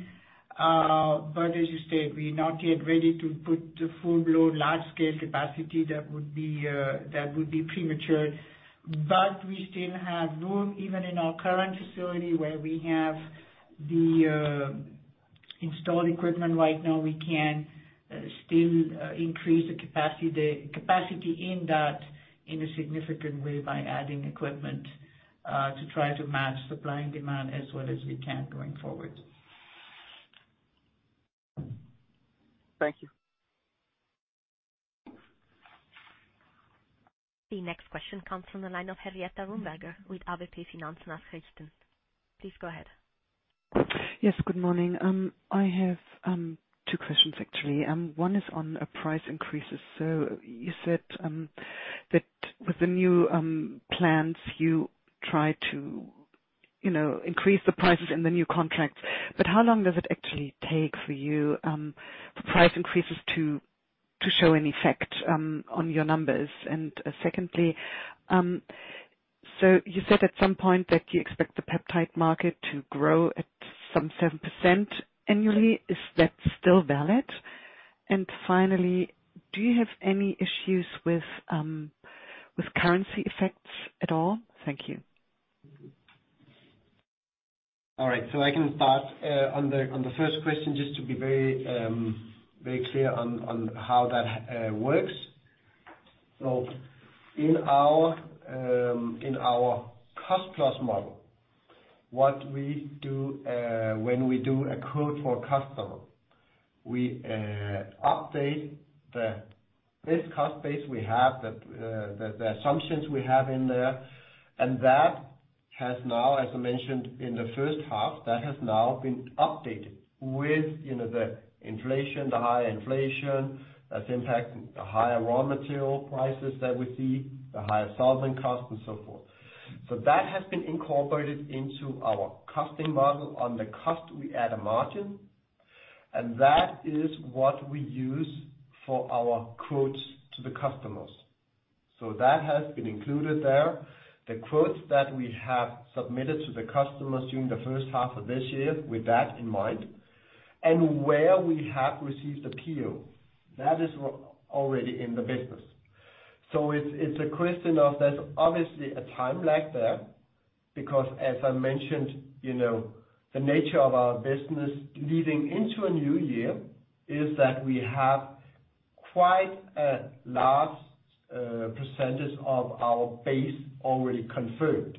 But as you state, we're not yet ready to put the full load large scale capacity. That would be premature. We still have room, even in our current facility where we have the installed equipment right now. We can still increase the capacity in that in a significant way by adding equipment to try to match supply and demand as well as we can going forward. Thank you. The next question comes from the line of Henrietta Roomberger with AWP Finanznachrichten. Please go ahead. Yes, good morning. I have two questions actually. One is on price increases. You said that with the new plans, you try to, you know, increase the prices in the new contracts. How long does it actually take for you, the price increases to show an effect on your numbers? Secondly, you said at some point that you expect the peptide market to grow at some 7% annually. Is that still valid? Finally, do you have any issues with currency effects at all? Thank you. All right, I can start on the first question, just to be very clear on how that works. In our cost-plus model, what we do, when we do a quote for a customer, we update the base cost we have, the assumptions we have in there. That has now, as I mentioned in the first half, been updated with you know the inflation, the high inflation that's impacting the higher raw material prices that we see, the higher solvent costs and so forth. That has been incorporated into our costing model. On the cost, we add a margin, and that is what we use for our quotes to the customers. That has been included there. The quotes that we have submitted to the customers during the first half of this year with that in mind. Where we have received a PO, that is already in the business. It's a question of there's obviously a time lag there because as I mentioned, you know, the nature of our business leading into a new year is that we have quite a large percentage of our base already confirmed.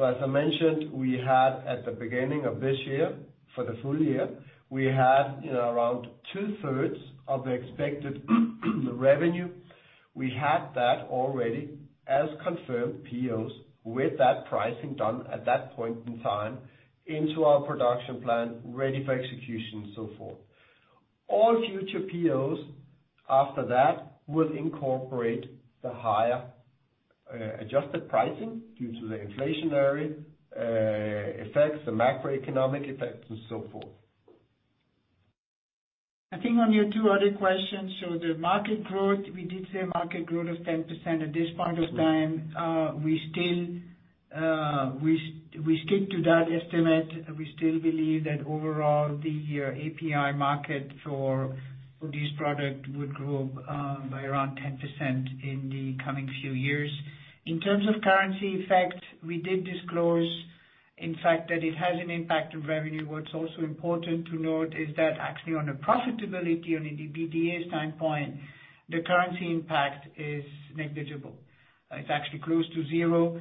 As I mentioned, we had at the beginning of this year, for the full year, we had, you know, around 2/3 of the expected revenue. We had that already as confirmed POs with that pricing done at that point in time into our production plan, ready for execution and so forth. All future POs after that will incorporate the higher, adjusted pricing due to the inflationary, effects, the macroeconomic effects and so forth. I think on your two other questions, so the market growth, we did say market growth of 10% at this point of time. We still stick to that estimate. We still believe that overall the API market for this product would grow by around 10% in the coming few years. In terms of currency effect, we did disclose, in fact, that it has an impact on revenue. What's also important to note is that actually on a profitability, on an EBITDA standpoint, the currency impact is negligible. It's actually close to zero,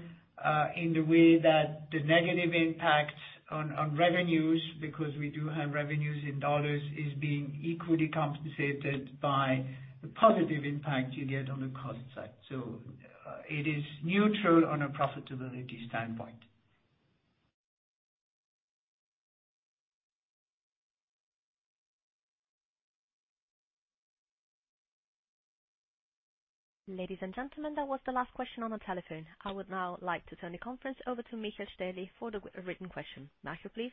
in the way that the negative impact on revenues, because we do have revenues in US dollars, is being equally compensated by the positive impact you get on the cost side. It is neutral on a profitability standpoint. Ladies and gentlemen, that was the last question on the telephone. I would now like to turn the conference over to Michael Stäheli for the written question. Michael, please.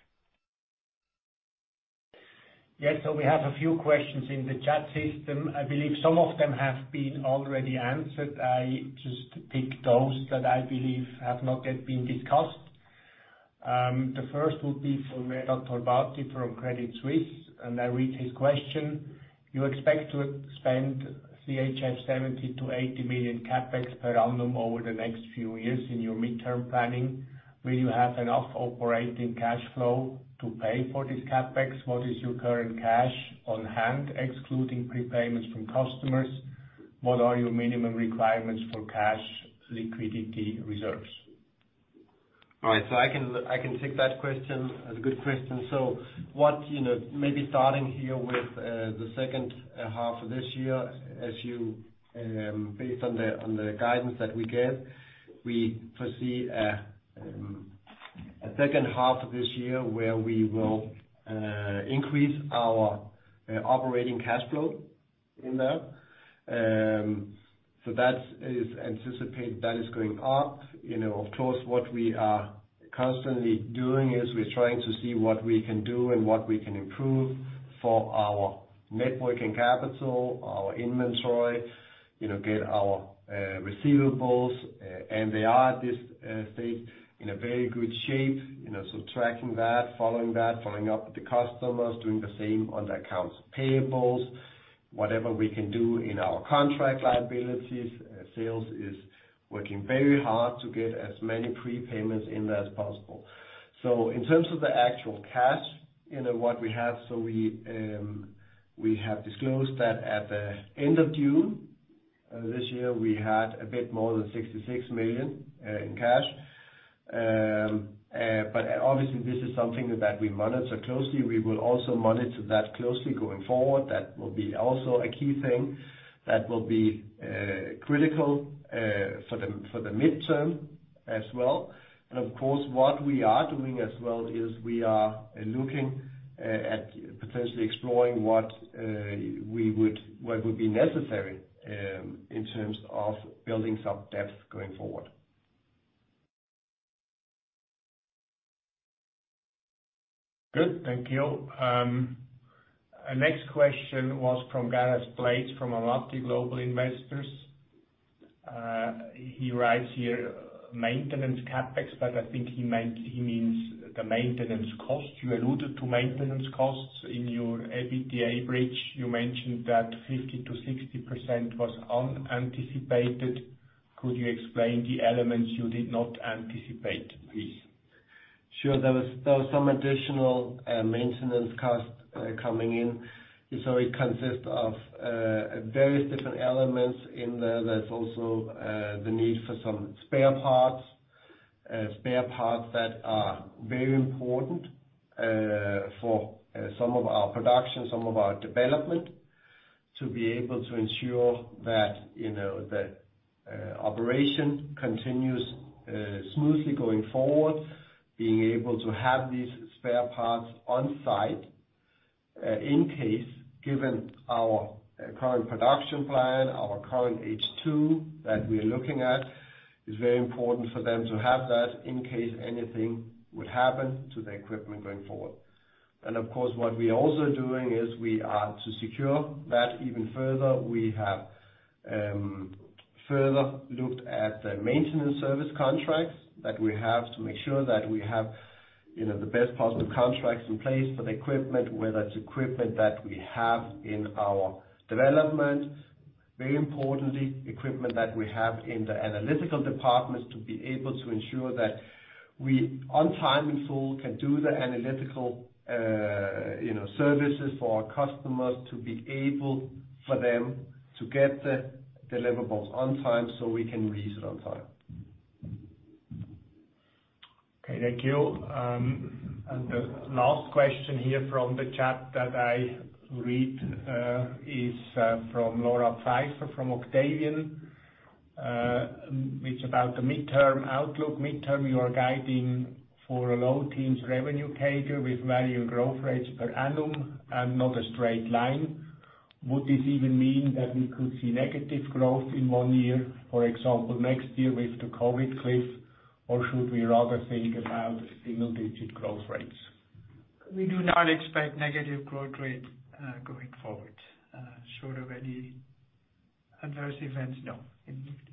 Yes. We have a few questions in the chat system. I believe some of them have been already answered. I just pick those that I believe have not yet been discussed. The first would be from Renato Torbati from Credit Suisse, and I read his question. You expect to spend 70-80 million CapEx per annum over the next few years in your midterm planning. Will you have enough operating cash flow to pay for this CapEx? What is your current cash on hand, excluding prepayments from customers? What are your minimum requirements for cash liquidity reserves? All right. I can take that question. A good question. What, you know, maybe starting here with the second half of this year, as you based on the guidance that we gave, we foresee a second half of this year where we will increase our operating cash flow in that. That is anticipated that is going up. You know, of course, what we are constantly doing is we're trying to see what we can do and what we can improve for our net working capital, our inventory, you know, get our receivables. And they are at this stage in a very good shape, you know. Tracking that, following that, following up with the customers, doing the same on the accounts payables, whatever we can do in our contract liabilities. Sales is working very hard to get as many prepayments in there as possible. In terms of the actual cash, you know what we have. We have disclosed that at the end of June this year, we had a bit more than 66 million in cash. But obviously this is something that we monitor closely. We will also monitor that closely going forward. That will be also a key thing that will be critical for the midterm as well. Of course, what we are doing as well is we are looking at potentially exploring what would be necessary in terms of building some debt going forward. Good. Thank you. Our next question was from Gareth Blades from Amiti Global Investors. He writes here maintenance CapEx, but I think he means the maintenance cost. You alluded to maintenance costs in your EBITDA bridge. You mentioned that 50%-60% was unanticipated. Could you explain the elements you did not anticipate, please? Sure. There was some additional maintenance cost coming in. It consists of various different elements in there. There's also the need for some spare parts. Spare parts that are very important for some of our production, some of our development to be able to ensure that, you know, that operation continues smoothly going forward. Being able to have these spare parts on site, in case, given our current production plan, our current H2 that we're looking at, is very important for them to have that in case anything would happen to the equipment going forward. Of course, what we're also doing is we are to secure that even further. We have further looked at the maintenance service contracts that we have to make sure that we have, you know, the best possible contracts in place for the equipment, whether it's equipment that we have in our development, very importantly, equipment that we have in the analytical departments, to be able to ensure that we, on time in full, can do the analytical, you know, services for our customers to be able for them to get the deliverables on time so we can release it on time. Okay, thank you. The last question here from the chat that I read is from Laura Pfeifer from Octavian, which is about the midterm outlook. Midterm, you are guiding for a low teens revenue CAGR with varying growth rates per annum and not a straight line. Would this even mean that we could see negative growth in one year, for example, next year with the COVID cliff? Or should we rather think about single digit growth rates? We do not expect negative growth rate going forward, short of any adverse events, no.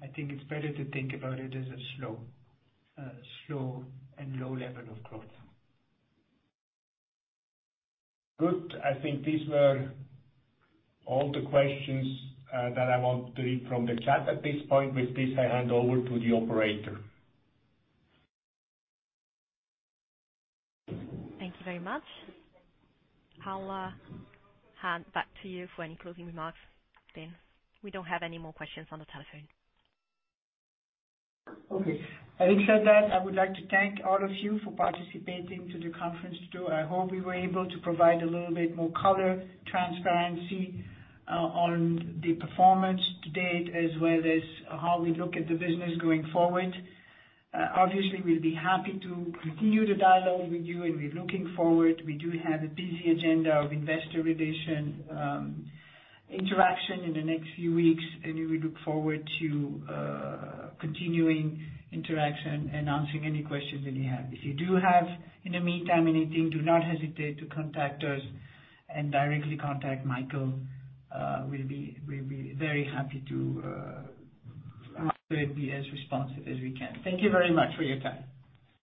I think it's better to think about it as a slow and low level of growth. Good. I think these were all the questions, that I want to read from the chat at this point. With this, I hand over to the operator. Thank you very much. I'll hand back to you for any closing remarks, then. We don't have any more questions on the telephone. Okay. Having said that, I would like to thank all of you for participating to the conference call. I hope we were able to provide a little bit more color, transparency, on the performance to date, as well as how we look at the business going forward. Obviously, we'll be happy to continue the dialogue with you, and we're looking forward. We do have a busy agenda of investor relation interaction in the next few weeks, and we look forward to continuing interaction and answering any questions that you have. If you do have, in the meantime, anything, do not hesitate to contact us and directly contact Michael. We'll be very happy to try to be as responsive as we can. Thank you very much for your time.